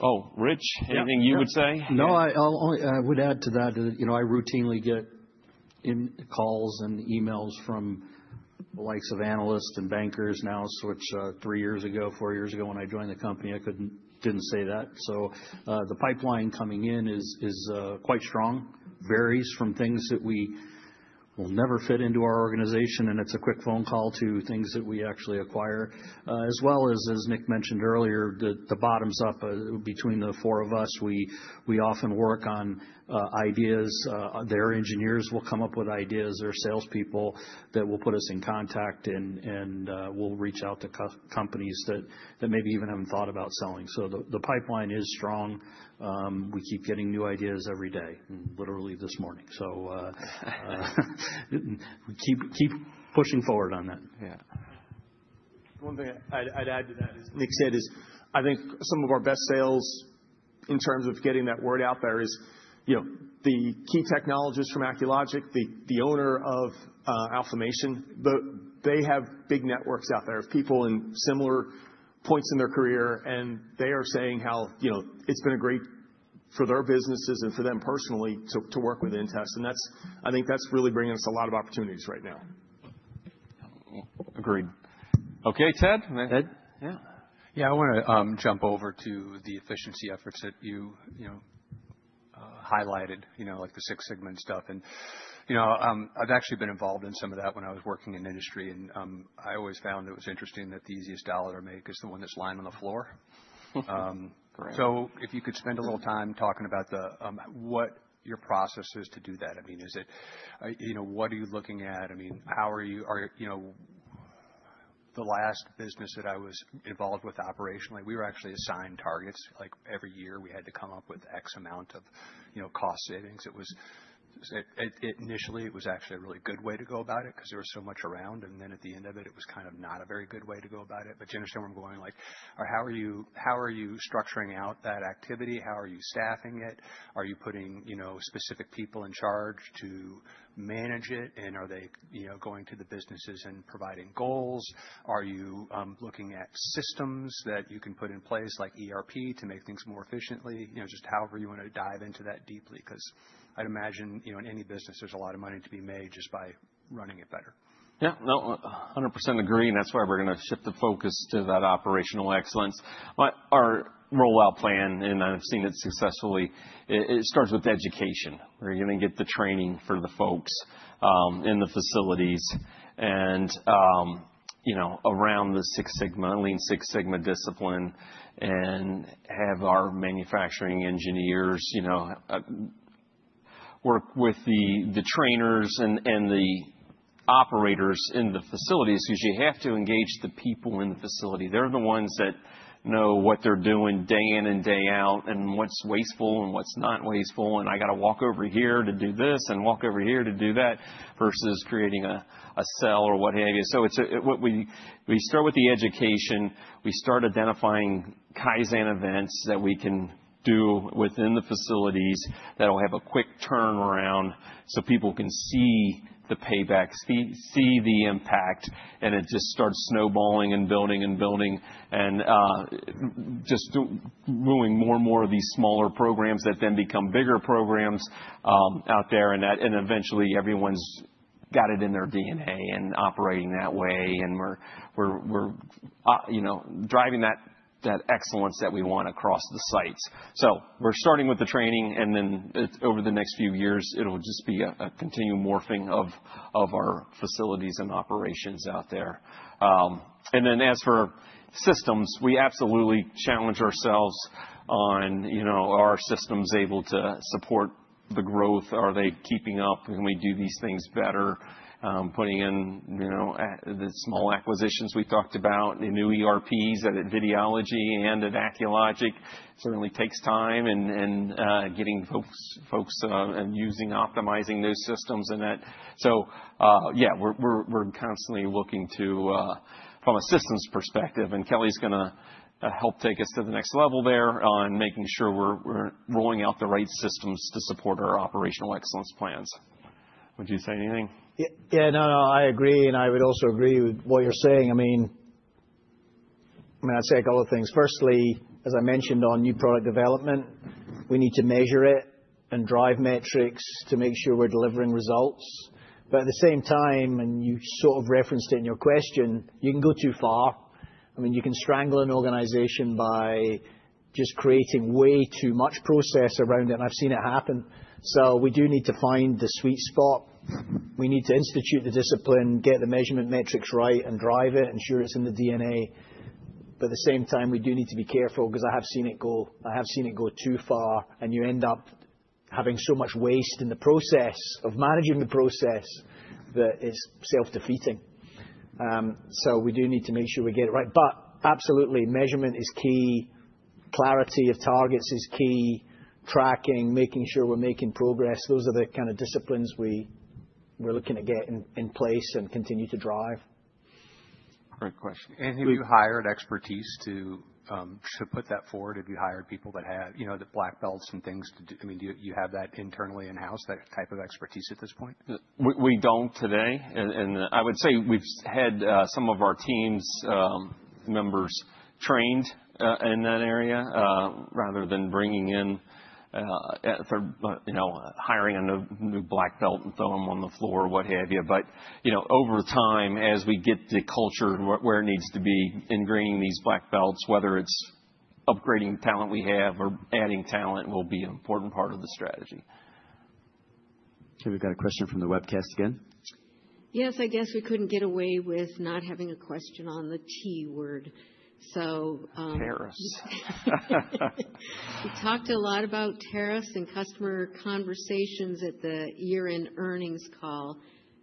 Oh, Rich, anything you would say? No. I would add to that. I routinely get calls and emails from the likes of analysts and bankers now, which three years ago, four years ago when I joined the company, I did not say that. The pipeline coming in is quite strong. Varies from things that we will never fit into our organization, and it is a quick phone call, to things that we actually acquire. As well as, as Nick mentioned earlier, the bottoms up between the four of us, we often work on ideas. Their engineers will come up with ideas. Their salespeople that will put us in contact and will reach out to companies that maybe even have not thought about selling. The pipeline is strong. We keep getting new ideas every day, literally this morning. Keep pushing forward on that. Yeah. One thing I'd add to that, as Nick said, is I think some of our best sales in terms of getting that word out there is the key technologist from Acculogic, the owner of Alfamation. They have big networks out there of people in similar points in their career. They are saying how it's been great for their businesses and for them personally to work with InTest. I think that's really bringing us a lot of opportunities right now. Agreed. Okay, Ted? Ted? Yeah. Yeah. I want to jump over to the efficiency efforts that you highlighted, like the six-segment stuff. I have actually been involved in some of that when I was working in industry. I always found it was interesting that the easiest dollar to make is the one that's lying on the floor. If you could spend a little time talking about what your process is to do that. I mean, what are you looking at? I mean, how are you? The last business that I was involved with operationally, we were actually assigned targets. Like every year, we had to come up with X amount of cost savings. Initially, it was actually a really good way to go about it because there was so much around. At the end of it, it was kind of not a very good way to go about it. Do you understand where I'm going? Like, how are you structuring out that activity? How are you staffing it? Are you putting specific people in charge to manage it? Are they going to the businesses and providing goals? Are you looking at systems that you can put in place, like ERP, to make things more efficiently? Just however you want to dive into that deeply. Because I'd imagine in any business, there's a lot of money to be made just by running it better. Yeah. No, 100% agree. That is why we're going to shift the focus to that operational excellence. Our rollout plan, and I've seen it successfully, it starts with education. We're going to get the training for the folks in the facilities and around the Lean Six Sigma discipline, and have our manufacturing engineers work with the trainers and the operators in the facilities because you have to engage the people in the facility. They're the ones that know what they're doing day in and day out and what's wasteful and what's not wasteful. I got to walk over here to do this and walk over here to do that versus creating a cell or what have you. We start with the education. We start identifying Kaizen events that we can do within the facilities that'll have a quick turnaround so people can see the payback, see the impact. It just starts snowballing and building and building and just doing more and more of these smaller programs that then become bigger programs out there. Eventually, everyone's got it in their DNA and operating that way. We're driving that excellence that we want across the sites. We're starting with the training. Over the next few years, it'll just be a continued morphing of our facilities and operations out there. As for systems, we absolutely challenge ourselves on are our systems able to support the growth? Are they keeping up? Can we do these things better? Putting in the small acquisitions we talked about, the new ERPs at Videology and at Acculogic, it certainly takes time and getting folks and optimizing those systems in that. We're constantly looking to, from a systems perspective. Kelley's going to help take us to the next level there on making sure we're rolling out the right systems to support our operational excellence plans. Would you say anything? Yeah. No, no. I agree. I would also agree with what you're saying. I mean, I'd say a couple of things. Firstly, as I mentioned on new product development, we need to measure it and drive metrics to make sure we're delivering results. At the same time, and you sort of referenced it in your question, you can go too far. I mean, you can strangle an organization by just creating way too much process around it. I have seen it happen. We do need to find the sweet spot. We need to institute the discipline, get the measurement metrics right, and drive it, ensure it's in the DNA. At the same time, we do need to be careful because I have seen it go. I have seen it go too far. You end up having so much waste in the process of managing the process that it's self-defeating. We do need to make sure we get it right. Absolutely, measurement is key. Clarity of targets is key. Tracking, making sure we're making progress. Those are the kind of disciplines we're looking to get in place and continue to drive. Great question. Have you hired expertise to put that forward? Have you hired people that have the black belts and things to do? I mean, do you have that internally in-house, that type of expertise at this point? We don't today. I would say we've had some of our team members trained in that area rather than bringing in, hiring a new black belt and throwing them on the floor, what have you. Over time, as we get the culture where it needs to be, bringing these black belts in, whether it's upgrading talent we have or adding talent, will be an important part of the strategy. Okay. We've got a question from the webcast again. Yes. I guess we couldn't get away with not having a question on the T word. So. Tariffs. We talked a lot about tariffs and customer conversations at the year-end earnings call.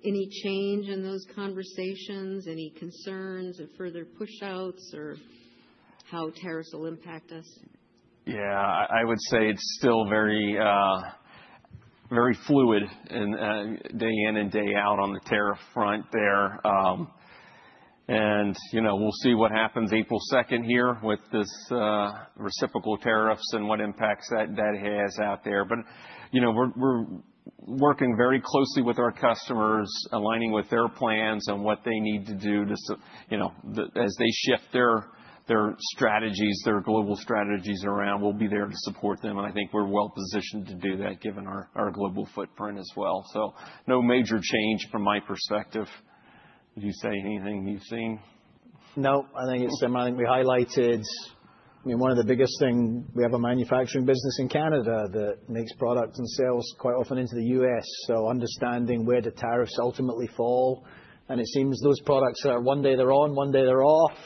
Any change in those conversations? Any concerns of further push-outs or how tariffs will impact us? Yeah. I would say it's still very fluid day in and day out on the tariff front there. We'll see what happens April 2nd here with this reciprocal tariffs and what impacts that has out there. We're working very closely with our customers, aligning with their plans and what they need to do as they shift their strategies, their global strategies around. We'll be there to support them. I think we're well-positioned to do that given our global footprint as well. No major change from my perspective. Did you say anything you've seen? No. I think it's similar. I think we highlighted one of the biggest things. We have a manufacturing business in Canada that makes products and sells quite often into the U.S. Understanding where the tariffs ultimately fall, it seems those products are one day they're on, one day they're off.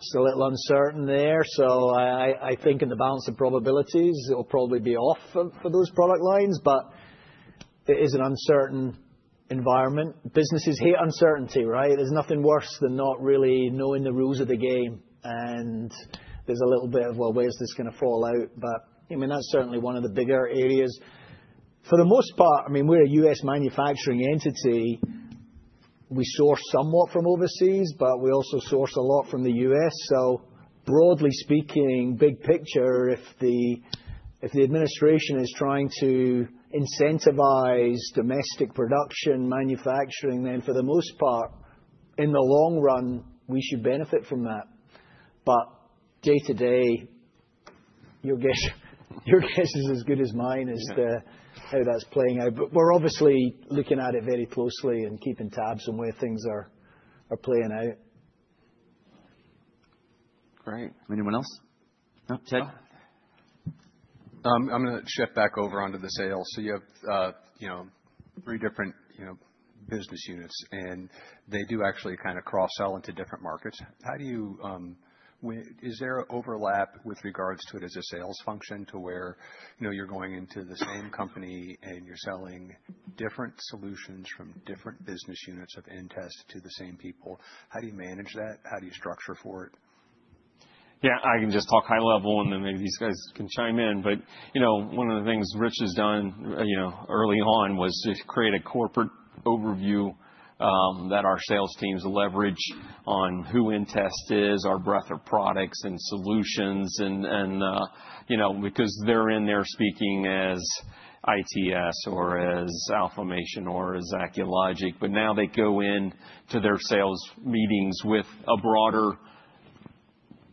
Still a little uncertain there. I think in the balance of probabilities, it'll probably be off for those product lines. It is an uncertain environment. Businesses hate uncertainty, right? There's nothing worse than not really knowing the rules of the game. There's a little bit of, well, where's this going to fall out? I mean, that's certainly one of the bigger areas. For the most part, I mean, we're a U.S. manufacturing entity. We source somewhat from overseas, but we also source a lot from the U.S. Broadly speaking, big picture, if the administration is trying to incentivize domestic production manufacturing, then for the most part, in the long run, we should benefit from that. Day to day, your guess is as good as mine as to how that's playing out. We're obviously looking at it very closely and keeping tabs on where things are playing out. Great. Anyone else? No, Ted? I'm going to shift back over onto the sales. You have three different business units. They do actually kind of cross-sell into different markets. Is there an overlap with regards to it as a sales function to where you're going into the same company and you're selling different solutions from different business units of InTest to the same people? How do you manage that? How do you structure for it? Yeah. I can just talk high level. And then maybe these guys can chime in. One of the things Rich has done early on was to create a corporate overview that our sales teams leverage on who InTest is, our breadth of products and solutions. Because they're in there speaking as ITS or as Alfamation or as Acculogic, but now they go into their sales meetings with a broader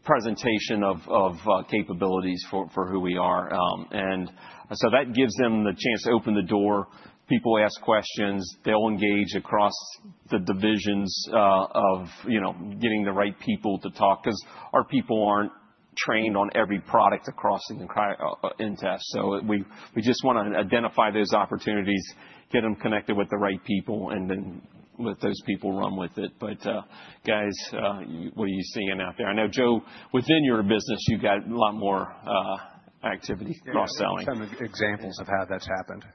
presentation of capabilities for who we are. That gives them the chance to open the door. People ask questions. They'll engage across the divisions of getting the right people to talk because our people aren't trained on every product across InTest. We just want to identify those opportunities, get them connected with the right people, and then let those people run with it. But guys, what are you seeing out there? I know, Joe, within your business, you've got a lot more activity across selling. Yeah. I've got some examples of how that's happened.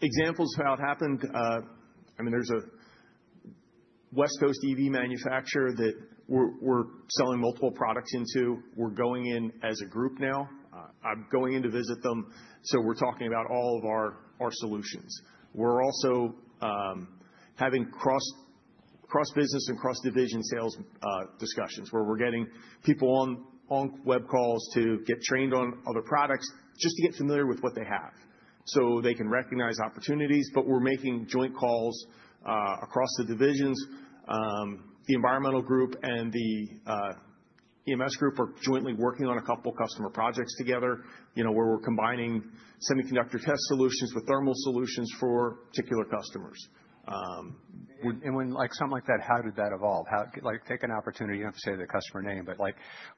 Examples of how it happened, I mean, there's a West Coast EV manufacturer that we're selling multiple products into. We're going in as a group now. I'm going in to visit them. So we're talking about all of our solutions. We're also having cross-business and cross-division sales discussions where we're getting people on web calls to get trained on other products just to get familiar with what they have so they can recognize opportunities. We're making joint calls across the divisions. The environmental group and the EMS group are jointly working on a couple of customer projects together where we're combining semiconductor test solutions with thermal solutions for particular customers. When something like that happens, how did that evolve? Take an opportunity. You don't have to say the customer name.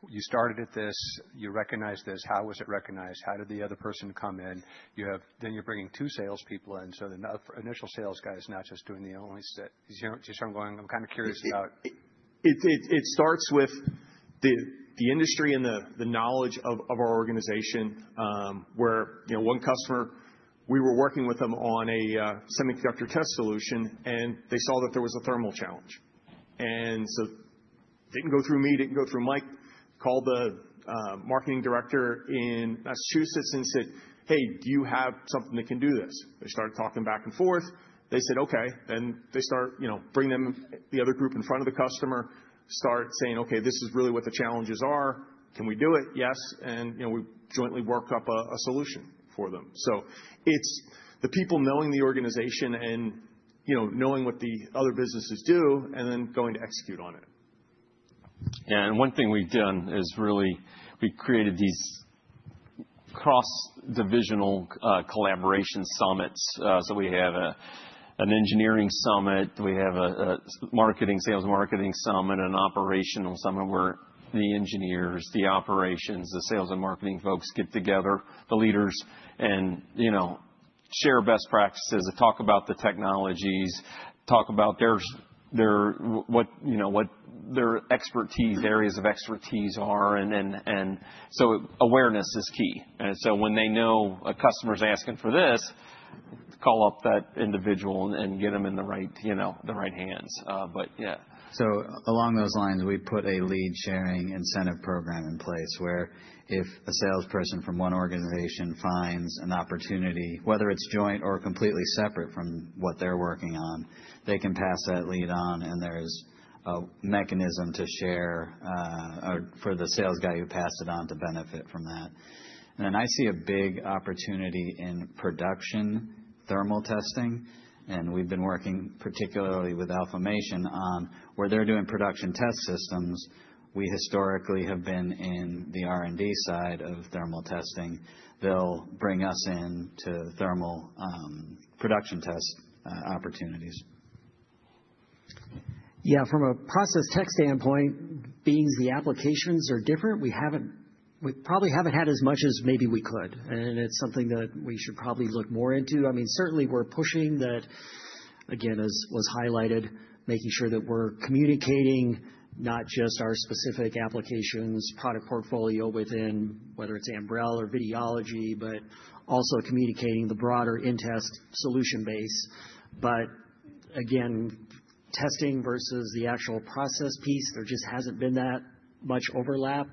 You started at this. You recognized this. How was it recognized? How did the other person come in? You are bringing two salespeople in. The initial sales guy is not just doing the only set. You start going, "I'm kind of curious about. It starts with the industry and the knowledge of our organization where one customer, we were working with them on a semiconductor test solution. They saw that there was a thermal challenge. It did not go through me, did not go through Mike, called the marketing director in Massachusetts and said, "Hey, do you have something that can do this?" They started talking back and forth. They said, "Okay." They started bringing the other group in front of the customer, started saying, "Okay, this is really what the challenges are. Can we do it? Yes." We jointly worked up a solution for them. It is the people knowing the organization and knowing what the other businesses do and then going to execute on it. Yeah. One thing we've done is really we created these cross-divisional collaboration summits. We have an engineering summit. We have a sales and marketing summit, an operational summit where the engineers, the operations, the sales and marketing folks get together, the leaders, and share best practices, talk about the technologies, talk about what their expertise, areas of expertise are. Awareness is key. When they know a customer's asking for this, call up that individual and get them in the right hands. Yeah. Along those lines, we put a lead sharing incentive program in place where if a salesperson from one organization finds an opportunity, whether it's joint or completely separate from what they're working on, they can pass that lead on. There's a mechanism to share for the sales guy who passed it on to benefit from that. I see a big opportunity in production thermal testing. We've been working particularly with Alfamation on where they're doing production test systems. We historically have been in the R&D side of thermal testing. They'll bring us in to thermal production test opportunities. Yeah. From a process tech standpoint, being the applications are different, we probably haven't had as much as maybe we could. It's something that we should probably look more into. I mean, certainly, we're pushing that, again, as was highlighted, making sure that we're communicating not just our specific applications, product portfolio within, whether it's Ambrell or Videology, but also communicating the broader InTest solution base. Again, testing versus the actual process piece, there just hasn't been that much overlap.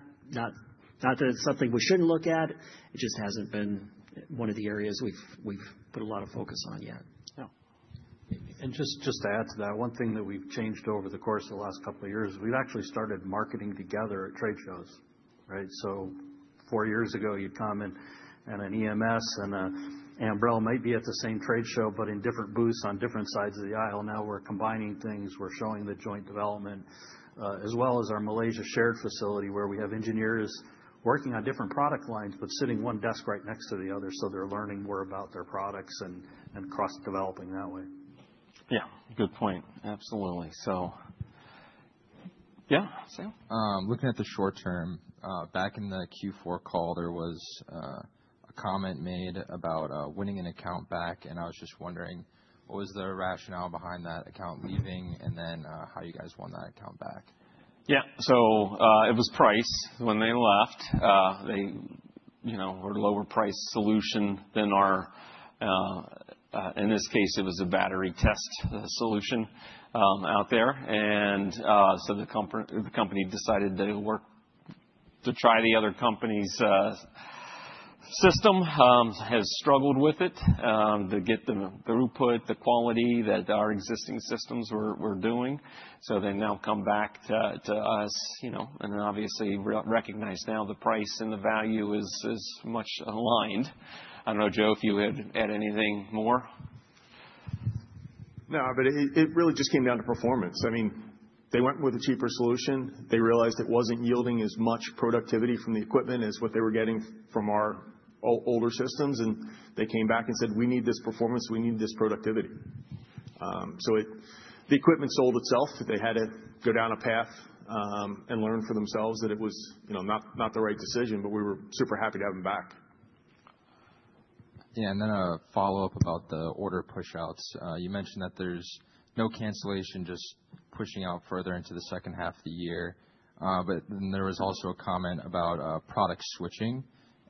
Not that it's something we shouldn't look at. It just hasn't been one of the areas we've put a lot of focus on yet. Yeah. Just to add to that, one thing that we've changed over the course of the last couple of years, we've actually started marketing together at trade shows, right? Four years ago, you'd come in at an EMS and Ambrell might be at the same trade show, but in different booths on different sides of the aisle. Now we're combining things. We're showing the joint development as well as our Malaysia shared facility where we have engineers working on different product lines, but sitting one desk right next to the other. They're learning more about their products and cross-developing that way. Yeah. Good point. Absolutely. Yeah. Sam? Looking at the short term, back in the Q4 call, there was a comment made about winning an account back. I was just wondering, what was the rationale behind that account leaving and then how you guys won that account back? Yeah. It was price when they left. They were a lower-priced solution than our, in this case, it was a battery test solution out there. The company decided to try the other company's system. Has struggled with it to get the throughput, the quality that our existing systems were doing. They now come back to us. Obviously, recognize now the price and the value is much aligned. I do not know, Joe, if you had added anything more. No. It really just came down to performance. I mean, they went with a cheaper solution. They realized it was not yielding as much productivity from the equipment as what they were getting from our older systems. They came back and said, "We need this performance. We need this productivity." The equipment sold itself. They had to go down a path and learn for themselves that it was not the right decision. We were super happy to have them back. Yeah. A follow-up about the order push-outs. You mentioned that there's no cancellation, just pushing out further into the second half of the year. There was also a comment about product switching.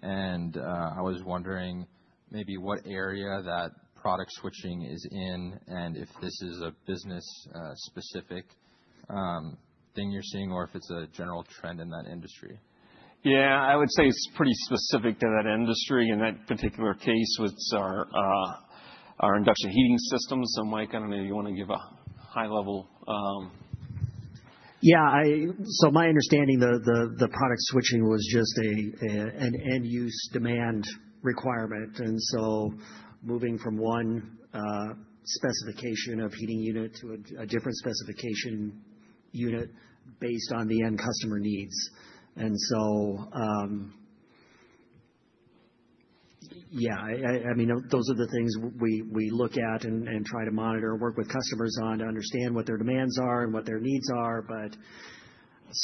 I was wondering maybe what area that product switching is in and if this is a business-specific thing you're seeing or if it's a general trend in that industry. Yeah. I would say it's pretty specific to that industry. In that particular case, it's our induction heating systems. Mike, I don't know if you want to give a high level. Yeah. So my understanding, the product switching was just an end-use demand requirement. Moving from one specification of heating unit to a different specification unit based on the end customer needs. Yeah, I mean, those are the things we look at and try to monitor, work with customers on to understand what their demands are and what their needs are.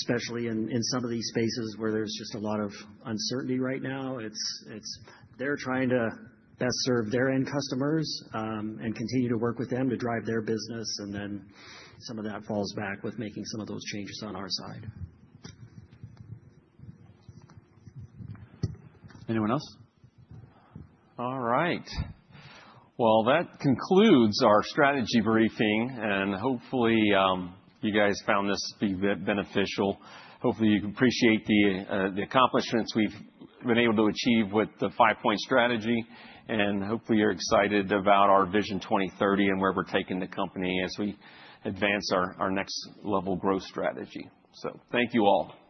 Especially in some of these spaces where there's just a lot of uncertainty right now, they're trying to best serve their end customers and continue to work with them to drive their business. Some of that falls back with making some of those changes on our side. Anyone else? All right. That concludes our strategy briefing. Hopefully, you guys found this to be beneficial. Hopefully, you appreciate the accomplishments we've been able to achieve with the 5-Point Strategy. Hopefully, you're excited about our VISION 2030 and where we're taking the company as we advance our next-level growth strategy. Thank you all.